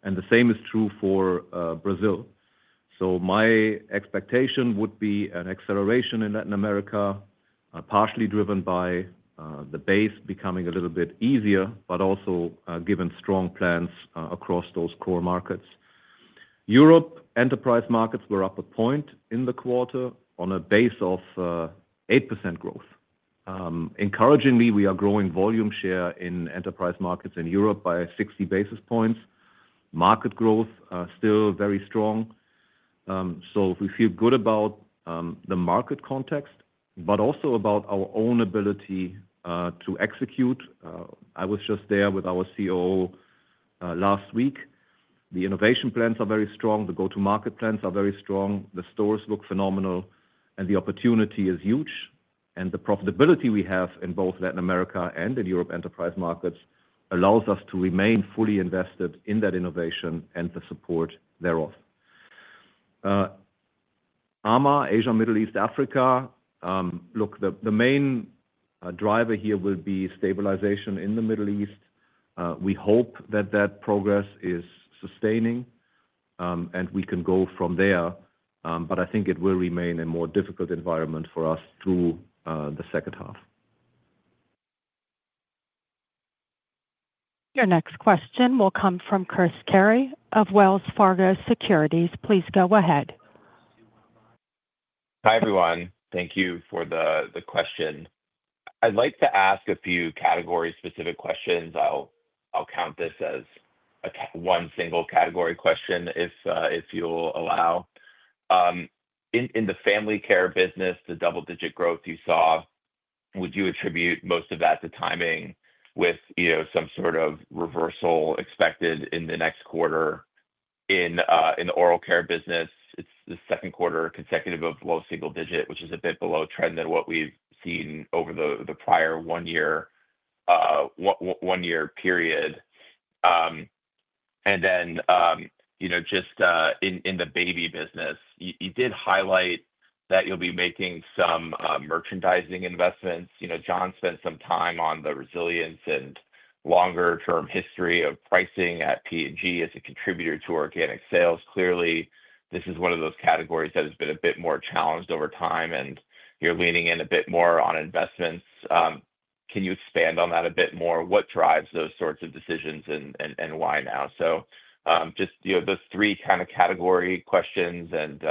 And the same is true for Brazil. So my expectation would be an acceleration in Latin America, partially driven by the base becoming a little bit easier, but also given strong plans across those core markets. Europe Enterprise Markets were up a point in the quarter on a base of 8% growth. Encouragingly, we are growing volume share in Enterprise Markets in Europe by 60 basis points. Market growth still very strong. So we feel good about the market context, but also about our own ability to execute. I was just there with our COO last week. The innovation plans are very strong. The go-to-market plans are very strong. The stores look phenomenal. And the opportunity is huge. And the profitability we have in both Latin America and in Europe Enterprise Markets allows us to remain fully invested in that innovation and the support thereof. AMA, Asia, Middle East, Africa. Look, the main driver here will be stabilization in the Middle East. We hope that that progress is sustaining and we can go from there. But I think it will remain a more difficult environment for us through the second half. Your next question will come from Chris Carey of Wells Fargo Securities. Please go ahead. Hi, everyone. Thank you for the question. I'd like to ask a few category-specific questions. I'll count this as one single category question, if you'll allow. In the family care business, the double-digit growth you saw, would you attribute most of that to timing with some sort of reversal expected in the next quarter? In the oral care business, it's the second quarter consecutive of low single-digit, which is a bit below trend than what we've seen over the prior one-year period. And then just in the baby business, you did highlight that you'll be making some merchandising investments. Jon spent some time on the resilience and longer-term history of pricing at P&G as a contributor to organic sales. Clearly, this is one of those categories that has been a bit more challenged over time, and you're leaning in a bit more on investments. Can you expand on that a bit more? What drives those sorts of decisions and why now? So just those three kind of category questions and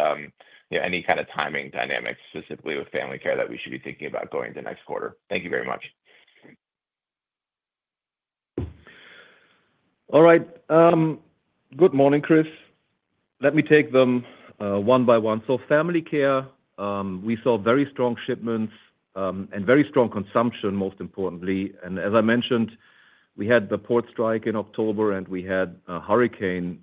any kind of timing dynamics specifically with Family Care that we should be thinking about going the next quarter. Thank you very much. All right. Good morning, Chris. Let me take them one by one. So Family Care, we saw very strong shipments and very strong consumption, most importantly. And as I mentioned, we had the port strike in October, and we had a hurricane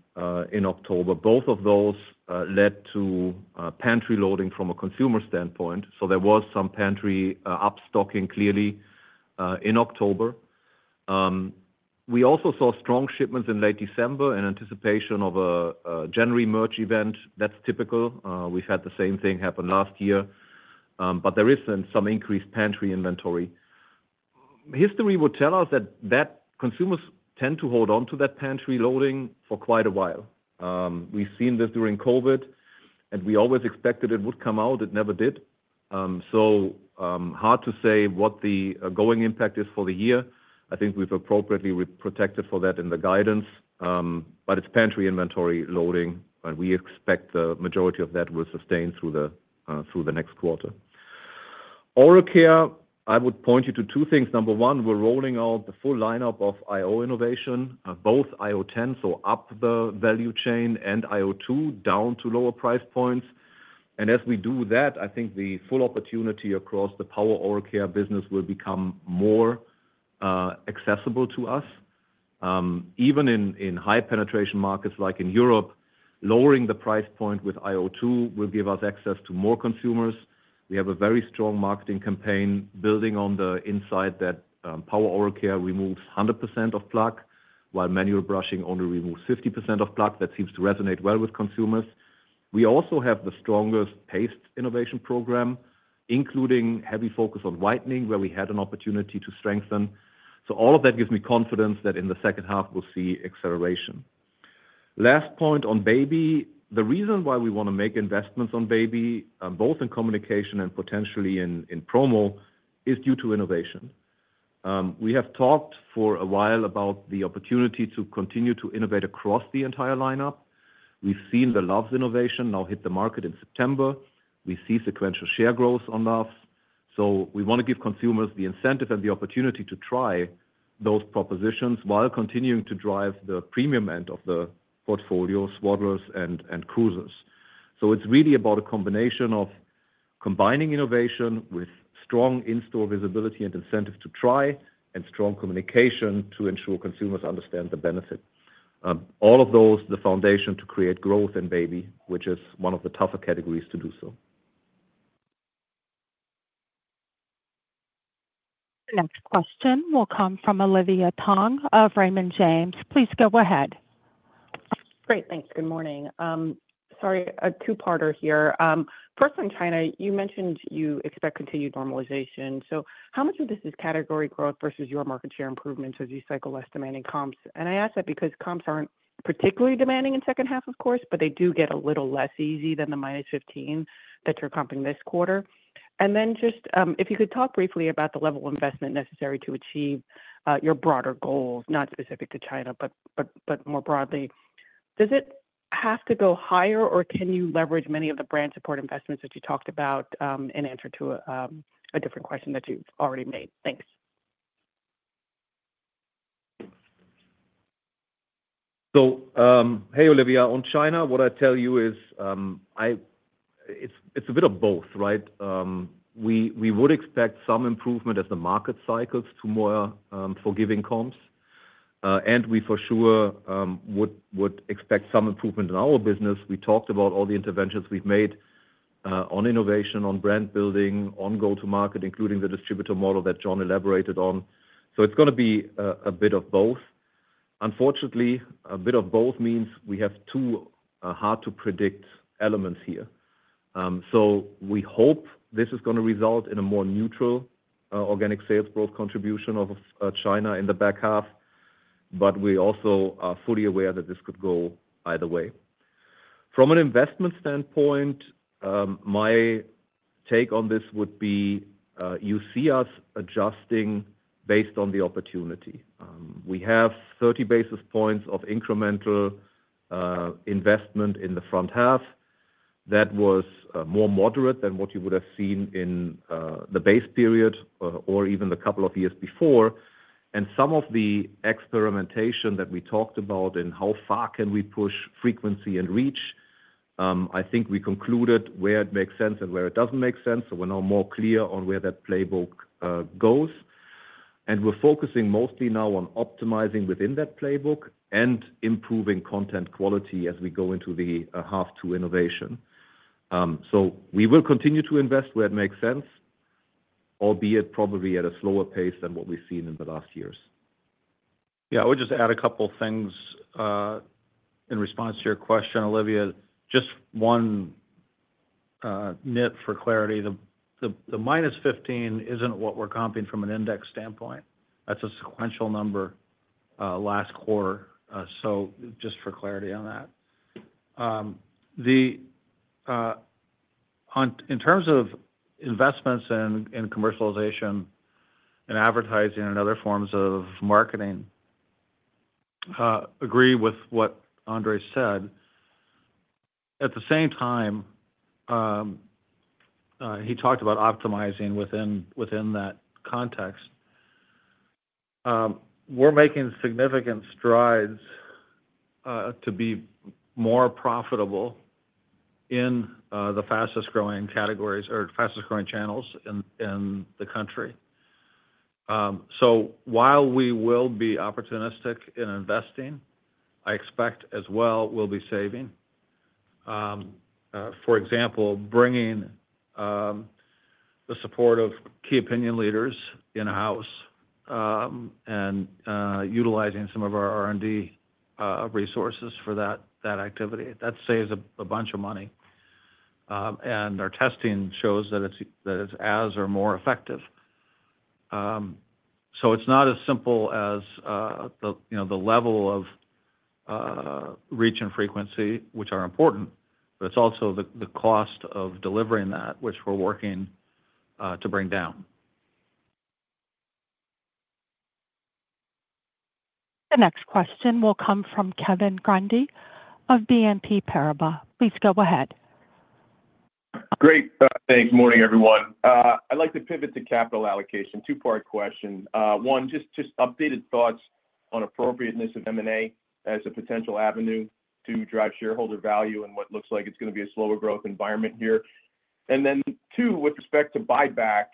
in October. Both of those led to pantry loading from a consumer standpoint. So there was some pantry upstocking clearly in October. We also saw strong shipments in late December in anticipation of a January merch event. That's typical. We've had the same thing happen last year. But there is some increased pantry inventory. History would tell us that consumers tend to hold on to that pantry loading for quite a while. We've seen this during COVID, and we always expected it would come out. It never did. So hard to say what the going impact is for the year. I think we've appropriately protected for that in the guidance. But it's pantry inventory loading, and we expect the majority of that will sustain through the next quarter. Oral care, I would point you to two things. Number one, we're rolling out the full lineup of iO innovation, both iO10, so up the value chain, and iO2, down to lower price points. And as we do that, I think the full opportunity across the power oral care business will become more accessible to us. Even in high penetration markets like in Europe, lowering the price point with iO2 will give us access to more consumers. We have a very strong marketing campaign building on the insight that power oral care removes 100% of plaque, while manual brushing only removes 50% of plaque. That seems to resonate well with consumers. We also have the strongest paste innovation program, including heavy focus on whitening, where we had an opportunity to strengthen. So all of that gives me confidence that in the second half, we'll see acceleration. Last point on baby. The reason why we want to make investments on baby, both in communication and potentially in promo, is due to innovation. We have talked for a while about the opportunity to continue to innovate across the entire lineup. We've seen the Luvs innovation now hit the market in September. We see sequential share growth on Luvs. So we want to give consumers the incentive and the opportunity to try those propositions while continuing to drive the premium end of the portfolios, Swaddlers, and Cruisers. So it's really about a combination of combining innovation with strong in-store visibility and incentive to try and strong communication to ensure consumers understand the benefit. All of those, the foundation to create growth in baby, which is one of the tougher categories to do so. Next question will come from Olivia Tong of Raymond James. Please go ahead. Great. Thanks. Good morning. Sorry, a two-parter here. First, in China, you mentioned you expect continued normalization. So how much of this is category growth versus your market share improvements as you cycle less demanding comps? And I ask that because comps aren't particularly demanding in the second half, of course, but they do get a little less easy than the minus 15 that you're comping this quarter. And then just if you could talk briefly about the level of investment necessary to achieve your broader goals, not specific to China, but more broadly. Does it have to go higher, or can you leverage many of the brand support investments that you talked about in answer to a different question that you've already made? Thanks. Hey, Olivia. On China, what I tell you is it's a bit of both, right? We would expect some improvement as the market cycles to more forgiving comps. We for sure would expect some improvement in our business. We talked about all the interventions we've made on innovation, on brand building, on go-to-market, including the distributor model that Jon elaborated on. It's going to be a bit of both. Unfortunately, a bit of both means we have two hard-to-predict elements here. We hope this is going to result in a more neutral organic sales growth contribution of China in the back half. We also are fully aware that this could go either way. From an investment standpoint, my take on this would be you see us adjusting based on the opportunity. We have 30 basis points of incremental investment in the front half. That was more moderate than what you would have seen in the base period or even the couple of years before. And some of the experimentation that we talked about in how far can we push frequency and reach, I think we concluded where it makes sense and where it doesn't make sense. So we're now more clear on where that playbook goes. And we're focusing mostly now on optimizing within that playbook and improving content quality as we go into the half two innovation. So we will continue to invest where it makes sense, albeit probably at a slower pace than what we've seen in the last years. Yeah, I would just add a couple of things in response to your question, Olivia. Just one nit for clarity. The minus 15 isn't what we're comping from an index standpoint. That's a sequential number last quarter. So just for clarity on that. In terms of investments in commercialization and advertising and other forms of marketing, I agree with what Andre said. At the same time, he talked about optimizing within that context. We're making significant strides to be more profitable in the fastest-growing categories or fastest-growing channels in the country. So while we will be opportunistic in investing, I expect as well we'll be saving. For example, bringing the support of key opinion leaders in-house and utilizing some of our R&D resources for that activity. That saves a bunch of money. And our testing shows that it's as or more effective. So it's not as simple as the level of reach and frequency, which are important, but it's also the cost of delivering that, which we're working to bring down. The next question will come from Kevin Grundy of BNP Paribas. Please go ahead. Great. Thanks. Good morning, everyone. I'd like to pivot to capital allocation. Two-part question. One, just updated thoughts on appropriateness of M&A as a potential avenue to drive shareholder value and what looks like it's going to be a slower growth environment here. And then two, with respect to buyback,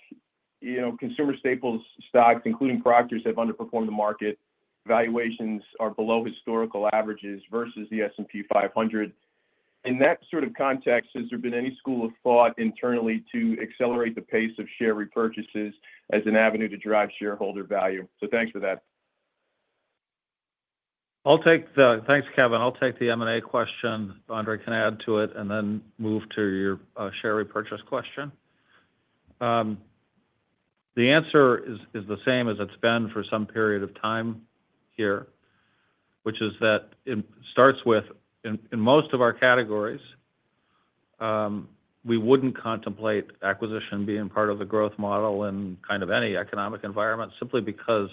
consumer staples stocks, including Procter's, have underperformed the market. Valuations are below historical averages versus the S&P 500. In that sort of context, has there been any school of thought internally to accelerate the pace of share repurchases as an avenue to drive shareholder value? So thanks for that. Thanks, Kevin. I'll take the M&A question. Andre can add to it and then move to your share repurchase question. The answer is the same as it's been for some period of time here, which is that it starts with, in most of our categories, we wouldn't contemplate acquisition being part of the growth model in kind of any economic environment simply because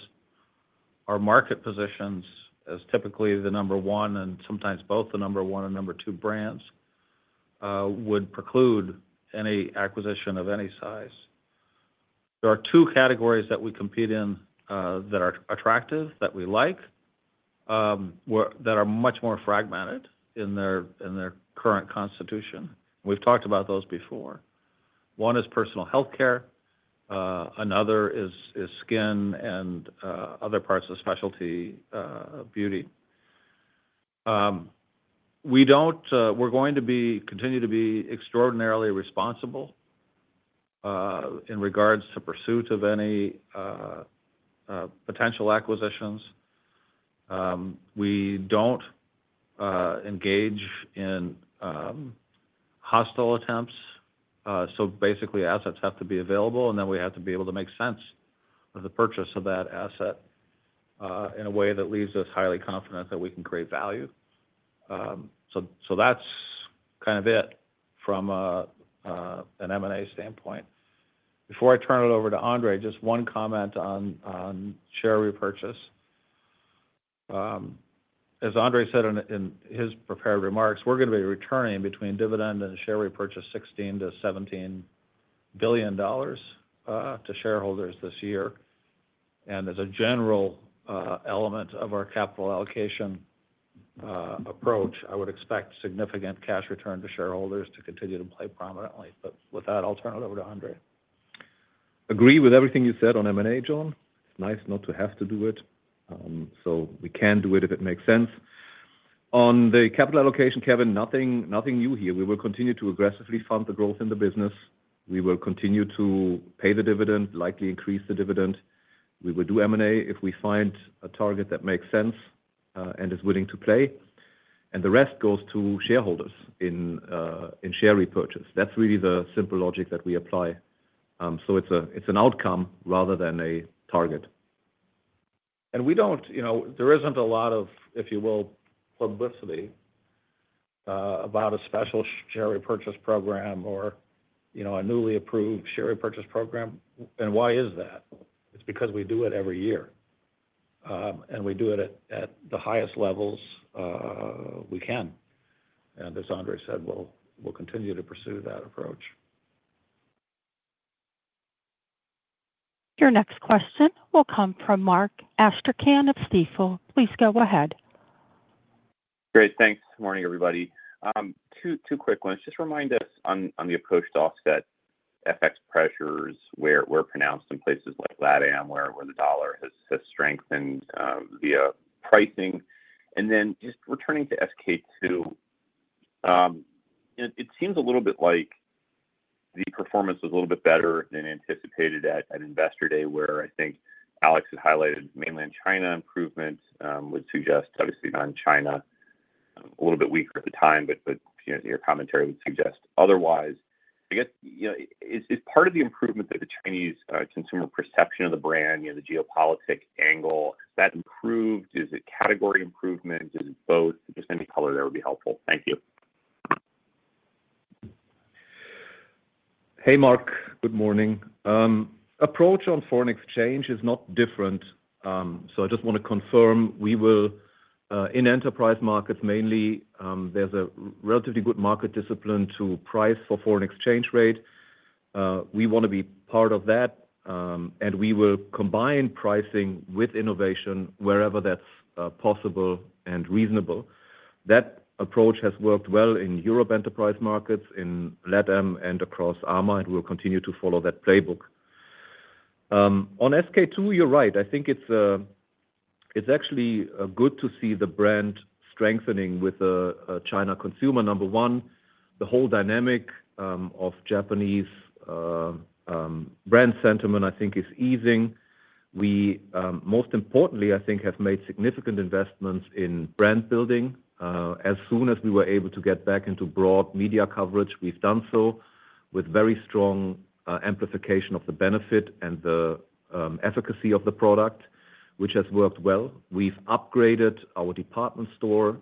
our market positions, as typically the number one and sometimes both the number one and number two brands, would preclude any acquisition of any size. There are two categories that we compete in that are attractive, that we like, that are much more fragmented in their current constitution. We've talked about those before. One is personal healthcare. Another is skin and other parts of specialty beauty. We're going to continue to be extraordinarily responsible in regards to pursuit of any potential acquisitions. We don't engage in hostile attempts, so basically, assets have to be available, and then we have to be able to make sense of the purchase of that asset in a way that leaves us highly confident that we can create value, so that's kind of it from an M&A standpoint. Before I turn it over to Andre, just one comment on share repurchase. As Andre said in his prepared remarks, we're going to be returning between dividend and share repurchase $16-$17 billion to shareholders this year, and as a general element of our capital allocation approach, I would expect significant cash return to shareholders to continue to play prominently, but with that, I'll turn it over to Andre. Agree with everything you said on M&A, Jon. It's nice not to have to do it. So we can do it if it makes sense. On the capital allocation, Kevin, nothing new here. We will continue to aggressively fund the growth in the business. We will continue to pay the dividend, likely increase the dividend. We will do M&A if we find a target that makes sense and is willing to play. And the rest goes to shareholders in share repurchase. That's really the simple logic that we apply. So it's an outcome rather than a target. And there isn't a lot of, if you will, publicity about a special share repurchase program or a newly approved share repurchase program. And why is that? It's because we do it every year. And we do it at the highest levels we can. And as Andre said, we'll continue to pursue that approach. Your next question will come from Mark Astrachan of Stifel. Please go ahead. Great. Thanks. Good morning, everybody. Two quick ones. Just remind us on the approach to offset FX pressures, where the pressures are pronounced in places like LatAm, where the dollar has strengthened via pricing. And then just returning to SK-II, it seems a little bit like the performance was a little bit better than anticipated at Investor Day, where I think Alex had highlighted mainland China improvement would suggest, obviously on China, a little bit weaker at the time, but your commentary would suggest otherwise. I guess, is part of the improvement that the Chinese consumer perception of the brand, the geopolitical angle, that improved? Is it category improvement? Is it both? Just any color there would be helpful. Thank you. Hey, Mark. Good morning. Approach on foreign exchange is not different. So I just want to confirm we will, in Enterprise Markets mainly, there's a relatively good market discipline to price for foreign exchange rate. We want to be part of that. And we will combine pricing with innovation wherever that's possible and reasonable. That approach has worked well in Europe Enterprise Markets, in LatAm and across AMA, and we'll continue to follow that playbook. On SK-II, you're right. I think it's actually good to see the brand strengthening with a China consumer number one. The whole dynamic of Japanese brand sentiment, I think, is easing. We, most importantly, I think, have made significant investments in brand building. As soon as we were able to get back into broad media coverage, we've done so with very strong amplification of the benefit and the efficacy of the product, which has worked well. We've upgraded our department store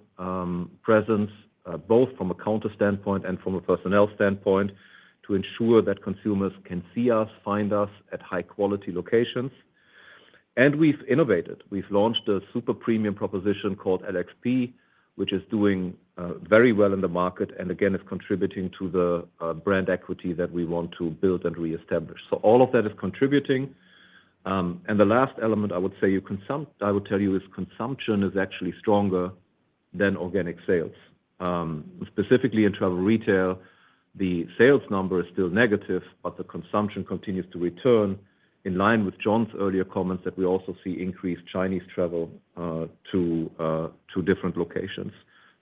presence, both from a counter standpoint and from a personnel standpoint, to ensure that consumers can see us, find us at high-quality locations, and we've innovated. We've launched a super premium proposition called LXP, which is doing very well in the market and, again, is contributing to the brand equity that we want to build and reestablish, so all of that is contributing, and the last element I would say I would tell you is consumption is actually stronger than organic sales. Specifically in travel retail, the sales number is still negative, but the consumption continues to return in line with Jon's earlier comments that we also see increased Chinese travel to different locations.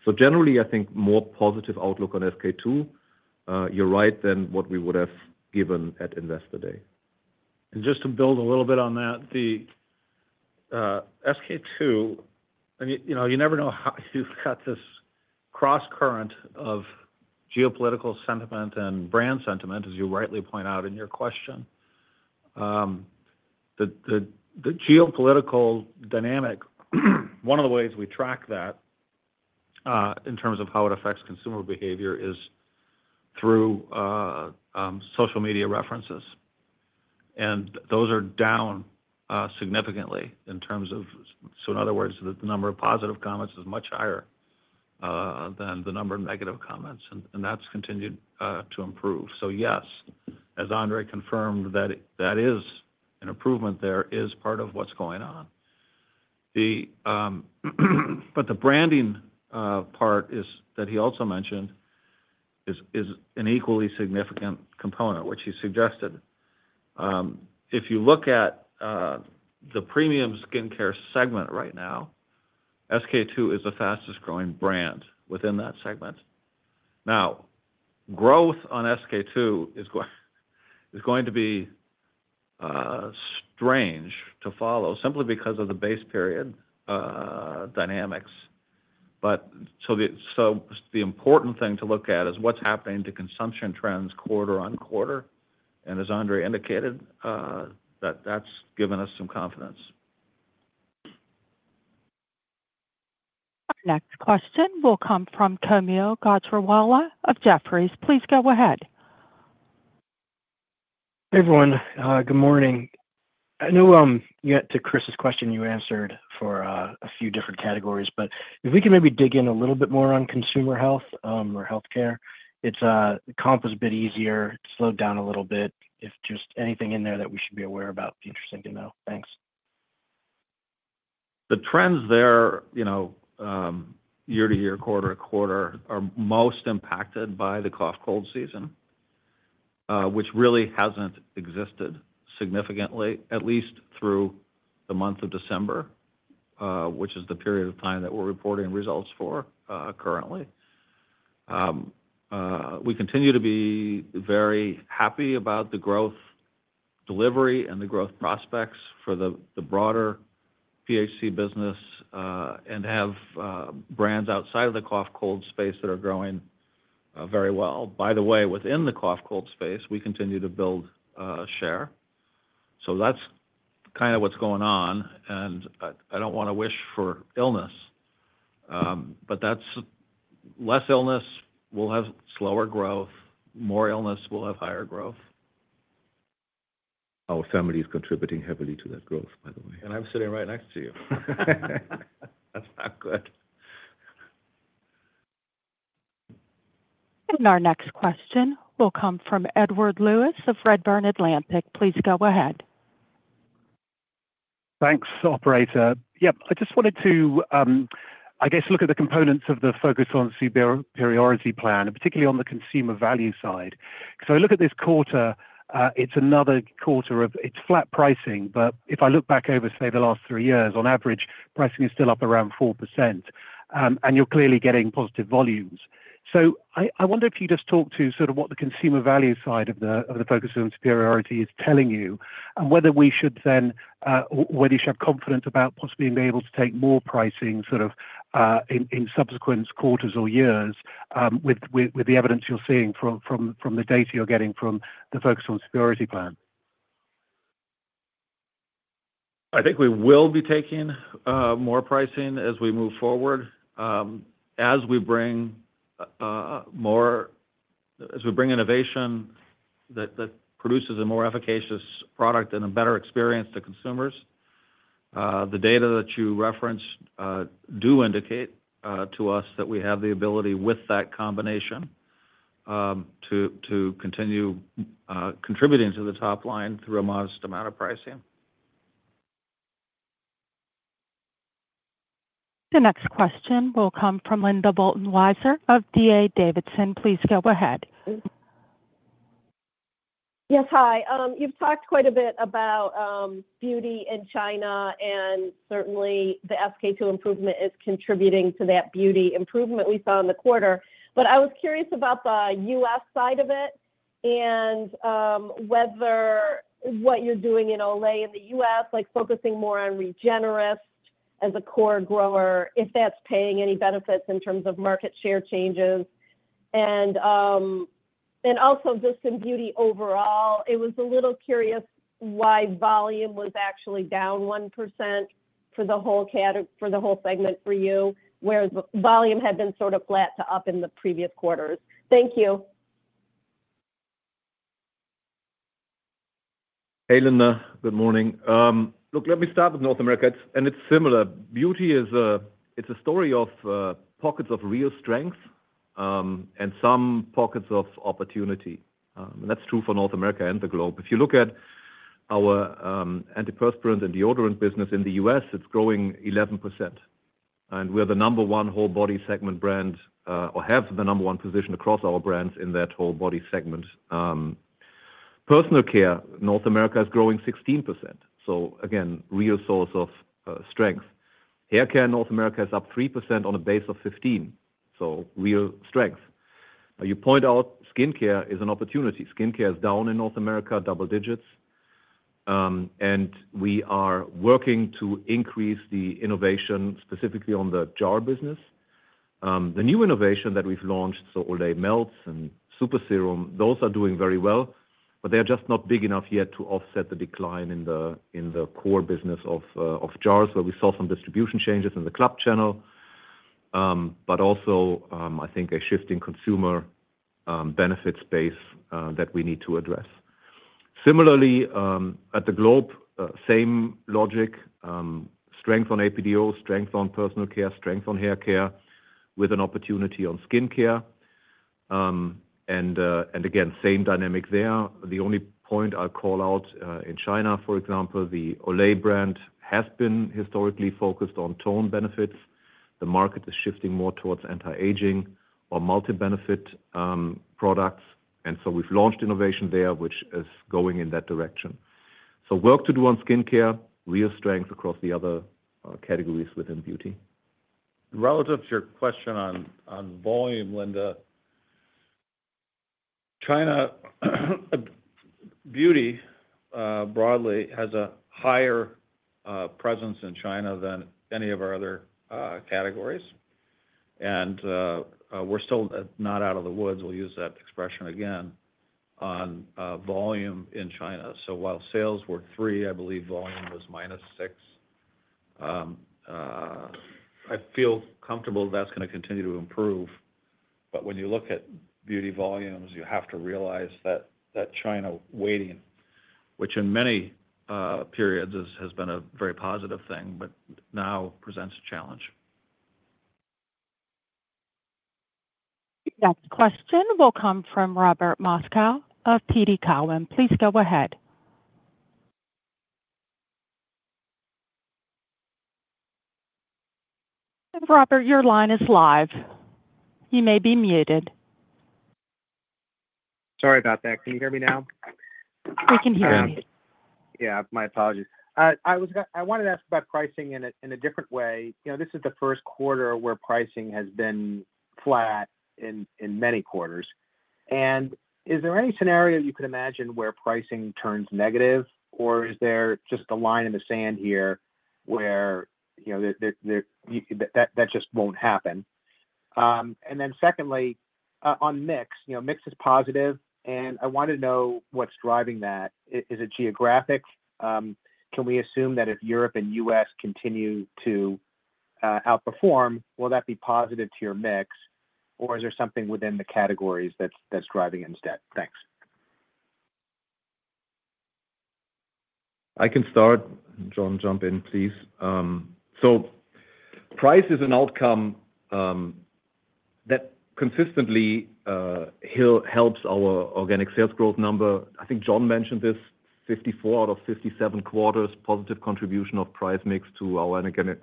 So generally, I think more positive outlook on SK-II. You're right then what we would have given at Investor Day. Just to build a little bit on that, the SK-II, you never know how you've got this cross-current of geopolitical sentiment and brand sentiment, as you rightly point out in your question. The geopolitical dynamic, one of the ways we track that in terms of how it affects consumer behavior is through social media references. And those are down significantly in terms of, so in other words, the number of positive comments is much higher than the number of negative comments. And that's continued to improve. So yes, as Andre confirmed, that is an improvement. There is part of what's going on. But the branding part that he also mentioned is an equally significant component, which he suggested. If you look at the premium skincare segment right now, SK-II is the fastest-growing brand within that segment. Now, growth on SK-II is going to be strange to follow simply because of the base period dynamics, but so the important thing to look at is what's happening to consumption trends quarter-on-quarter, and as Andre indicated, that's given us some confidence. Our next question will come from Kaumil Gajrawala of Jefferies. Please go ahead. Hey, everyone. Good morning. I know you went to Chris's question you answered for a few different categories, but if we can maybe dig in a little bit more on consumer health or healthcare, it's comp was a bit easier, slowed down a little bit. If just anything in there that we should be aware about, interesting to know. Thanks. The trends there, year to year, quarter to quarter, are most impacted by the cough cold season, which really hasn't existed significantly, at least through the month of December, which is the period of time that we're reporting results for currently. We continue to be very happy about the growth delivery and the growth prospects for the broader PHC business and have brands outside of the cough cold space that are growing very well. By the way, within the cough cold space, we continue to build share. So that's kind of what's going on, and I don't want to wish for illness, but that's less illness, we'll have slower growth. More illness, we'll have higher growth. Our family is contributing heavily to that growth, by the way. I'm sitting right next to you. That's not good. Our next question will come from Edward Lewis of Redburn Atlantic. Please go ahead. Thanks, operator. Yep. I just wanted to, I guess, look at the components of the focus on superiority plan, particularly on the consumer value side. So I look at this quarter, it's another quarter of it's flat pricing, but if I look back over, say, the last three years, on average, pricing is still up around 4%. And you're clearly getting positive volumes. So I wonder if you just talk to sort of what the consumer value side of the focus on superiority is telling you and whether you should have confidence about possibly being able to take more pricing sort of in subsequent quarters or years with the evidence you're seeing from the data you're getting from the focus on superiority plan. I think we will be taking more pricing as we move forward, as we bring innovation that produces a more efficacious product and a better experience to consumers. The data that you referenced do indicate to us that we have the ability with that combination to continue contributing to the top line through a modest amount of pricing. The next question will come from Linda Bolton Weiser of D.A. Davidson. Please go ahead. Yes, hi. You've talked quite a bit about beauty in China, and certainly the SK-II improvement is contributing to that beauty improvement we saw in the quarter. But I was curious about the U.S. side of it and whether what you're doing in Olay in the U.S., like focusing more on Regenerist as a core grower, if that's paying any benefits in terms of market share changes? And also just in beauty overall, it was a little curious why volume was actually down 1% for the whole segment for you, where volume had been sort of flat to up in the previous quarters? Thank you. Hey, Linda. Good morning. Look, let me start with North America, and it's similar. Beauty is a story of pockets of real strength and some pockets of opportunity. That's true for North America and the globe. If you look at our antiperspirant and deodorant business in the U.S., it's growing 11%. We're the number one whole body segment brand or have the number one position across our brands in that whole body segment. Personal care, North America is growing 16%. So again, real source of strength. Haircare, North America is up 3% on a base of 15%. Real strength. You point out skincare is an opportunity. Skincare is down in North America, double digits. We are working to increase the innovation specifically on the jar business. The new innovation that we've launched, so Olay Melts and Super Serum, those are doing very well. But they are just not big enough yet to offset the decline in the core business of jars, where we saw some distribution changes in the club channel. But also, I think a shift in consumer benefit space that we need to address. Similarly, at the globe, same logic, strength on APDO, strength on personal care, strength on haircare, with an opportunity on skincare. And again, same dynamic there. The only point I'll call out in China, for example, the Olay brand has been historically focused on tone benefits. The market is shifting more towards anti-aging or multi-benefit products. And so we've launched innovation there, which is going in that direction. So work to do on skincare, real strength across the other categories within beauty. Relative to your question on volume, Linda, China, beauty broadly has a higher presence in China than any of our other categories. We're still not out of the woods, we'll use that expression again, on volume in China. While sales were 3%, I believe volume was minus 6%. I feel comfortable that that's going to continue to improve. When you look at beauty volumes, you have to realize that China weighting, which in many periods has been a very positive thing, but now presents a challenge. Next question will come from Robert Moskow of TD Cowen. Please go ahead. And Robert, your line is live. You may be muted. Sorry about that. Can you hear me now? We can hear you. Yeah. Yeah. My apologies. I wanted to ask about pricing in a different way. This is the first quarter where pricing has been flat in many quarters. And is there any scenario you could imagine where pricing turns negative, or is there just a line in the sand here where that just won't happen? And then secondly, on mix, mix is positive. And I wanted to know what's driving that. Is it geographic? Can we assume that if Europe and U.S. continue to outperform, will that be positive to your mix, or is there something within the categories that's driving it instead? Thanks. I can start. Jon, jump in, please. So price is an outcome that consistently helps our Organic Sales Growth number. I think Jon mentioned this, 54 out of 57 quarters, positive contribution of price mix to our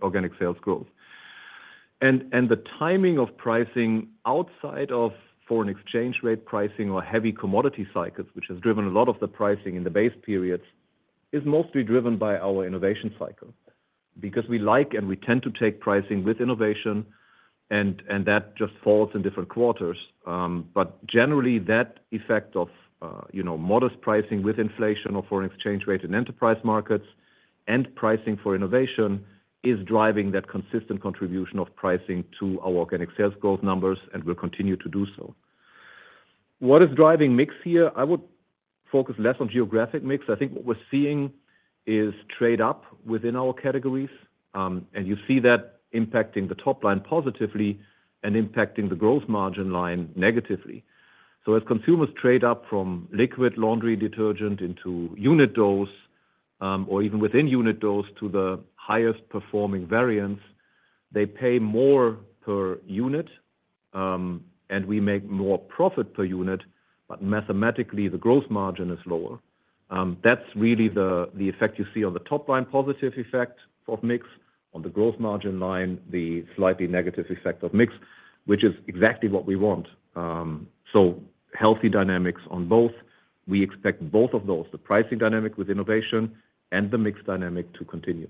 Organic Sales Growth. And the timing of pricing outside of foreign exchange rate pricing or heavy commodity cycles, which has driven a lot of the pricing in the base periods, is mostly driven by our innovation cycle. Because we like and we tend to take pricing with innovation, and that just falls in different quarters. But generally, that effect of modest pricing with inflation or foreign exchange rate in Enterprise Markets and pricing for innovation is driving that consistent contribution of pricing to our Organic Sales Growth numbers and will continue to do so. What is driving mix here? I would focus less on geographic mix. I think what we're seeing is trade-up within our categories, and you see that impacting the top line positively and impacting the growth margin line negatively, so as consumers trade up from liquid laundry detergent into unit dose or even within unit dose to the highest performing variants, they pay more per unit, and we make more profit per unit, but mathematically, the growth margin is lower. That's really the effect you see on the top line positive effect of mix. On the growth margin line, the slightly negative effect of mix, which is exactly what we want, so healthy dynamics on both. We expect both of those, the pricing dynamic with innovation and the mix dynamic to continue.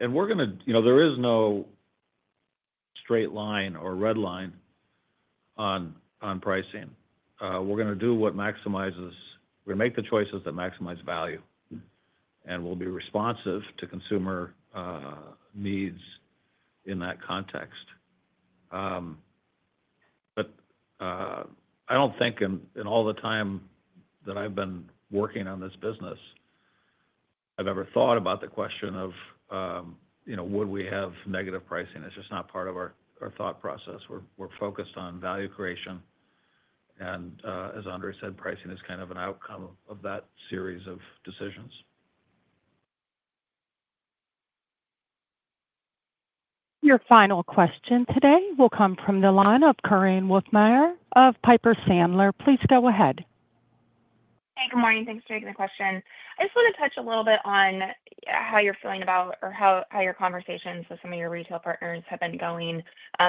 There is no straight line or red line on pricing. We're going to make the choices that maximize value. We'll be responsive to consumer needs in that context. I don't think in all the time that I've been working on this business, I've ever thought about the question of, would we have negative pricing? It's just not part of our thought process. We're focused on value creation. As Andre said, pricing is kind of an outcome of that series of decisions. Your final question today will come from the line of Korinne Wolfmeyer of Piper Sandler. Please go ahead. Hey, good morning. Thanks for taking the question. I just want to touch a little bit on how you're feeling about or how your conversations with some of your retail partners have been going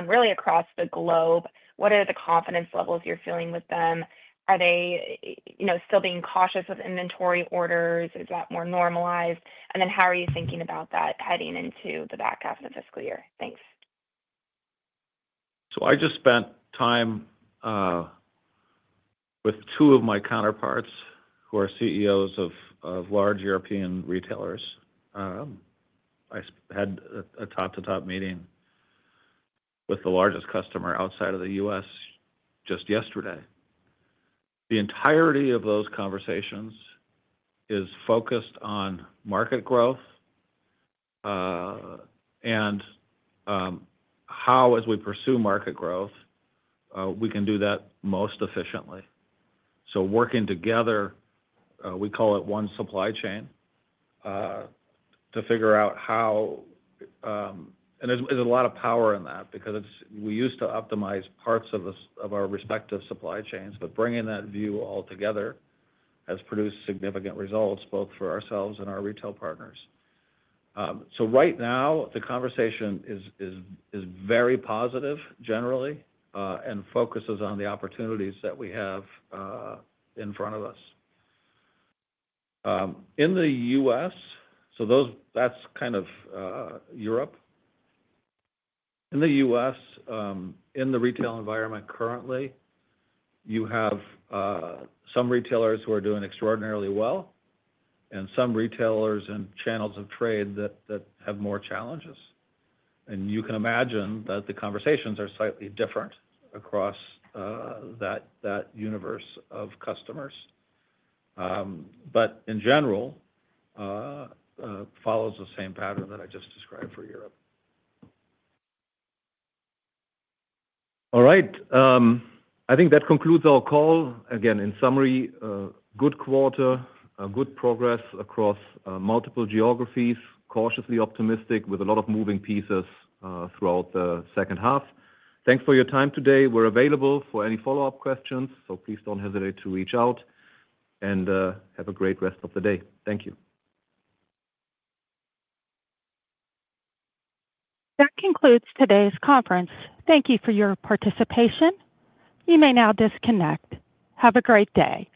really across the globe. What are the confidence levels you're feeling with them? Are they still being cautious with inventory orders? Is that more normalized? And then how are you thinking about that heading into the back half of the fiscal year? Thanks. So I just spent time with two of my counterparts who are CEOs of large European retailers. I had a top-to-top meeting with the largest customer outside of the U.S. just yesterday. The entirety of those conversations is focused on market growth and how, as we pursue market growth, we can do that most efficiently. So working together, we call it one supply chain to figure out how and there's a lot of power in that because we used to optimize parts of our respective supply chains, but bringing that view all together has produced significant results both for ourselves and our retail partners. So right now, the conversation is very positive generally and focuses on the opportunities that we have in front of us. In the U.S., so that's kind of Europe. In the U.S., in the retail environment currently, you have some retailers who are doing extraordinarily well and some retailers and channels of trade that have more challenges, and you can imagine that the conversations are slightly different across that universe of customers, but in general, it follows the same pattern that I just described for Europe. All right. I think that concludes our call. Again, in summary, good quarter, good progress across multiple geographies, cautiously optimistic with a lot of moving pieces throughout the second half. Thanks for your time today. We're available for any follow-up questions, so please don't hesitate to reach out, and have a great rest of the day. Thank you. That concludes today's conference. Thank you for your participation. You may now disconnect. Have a great day.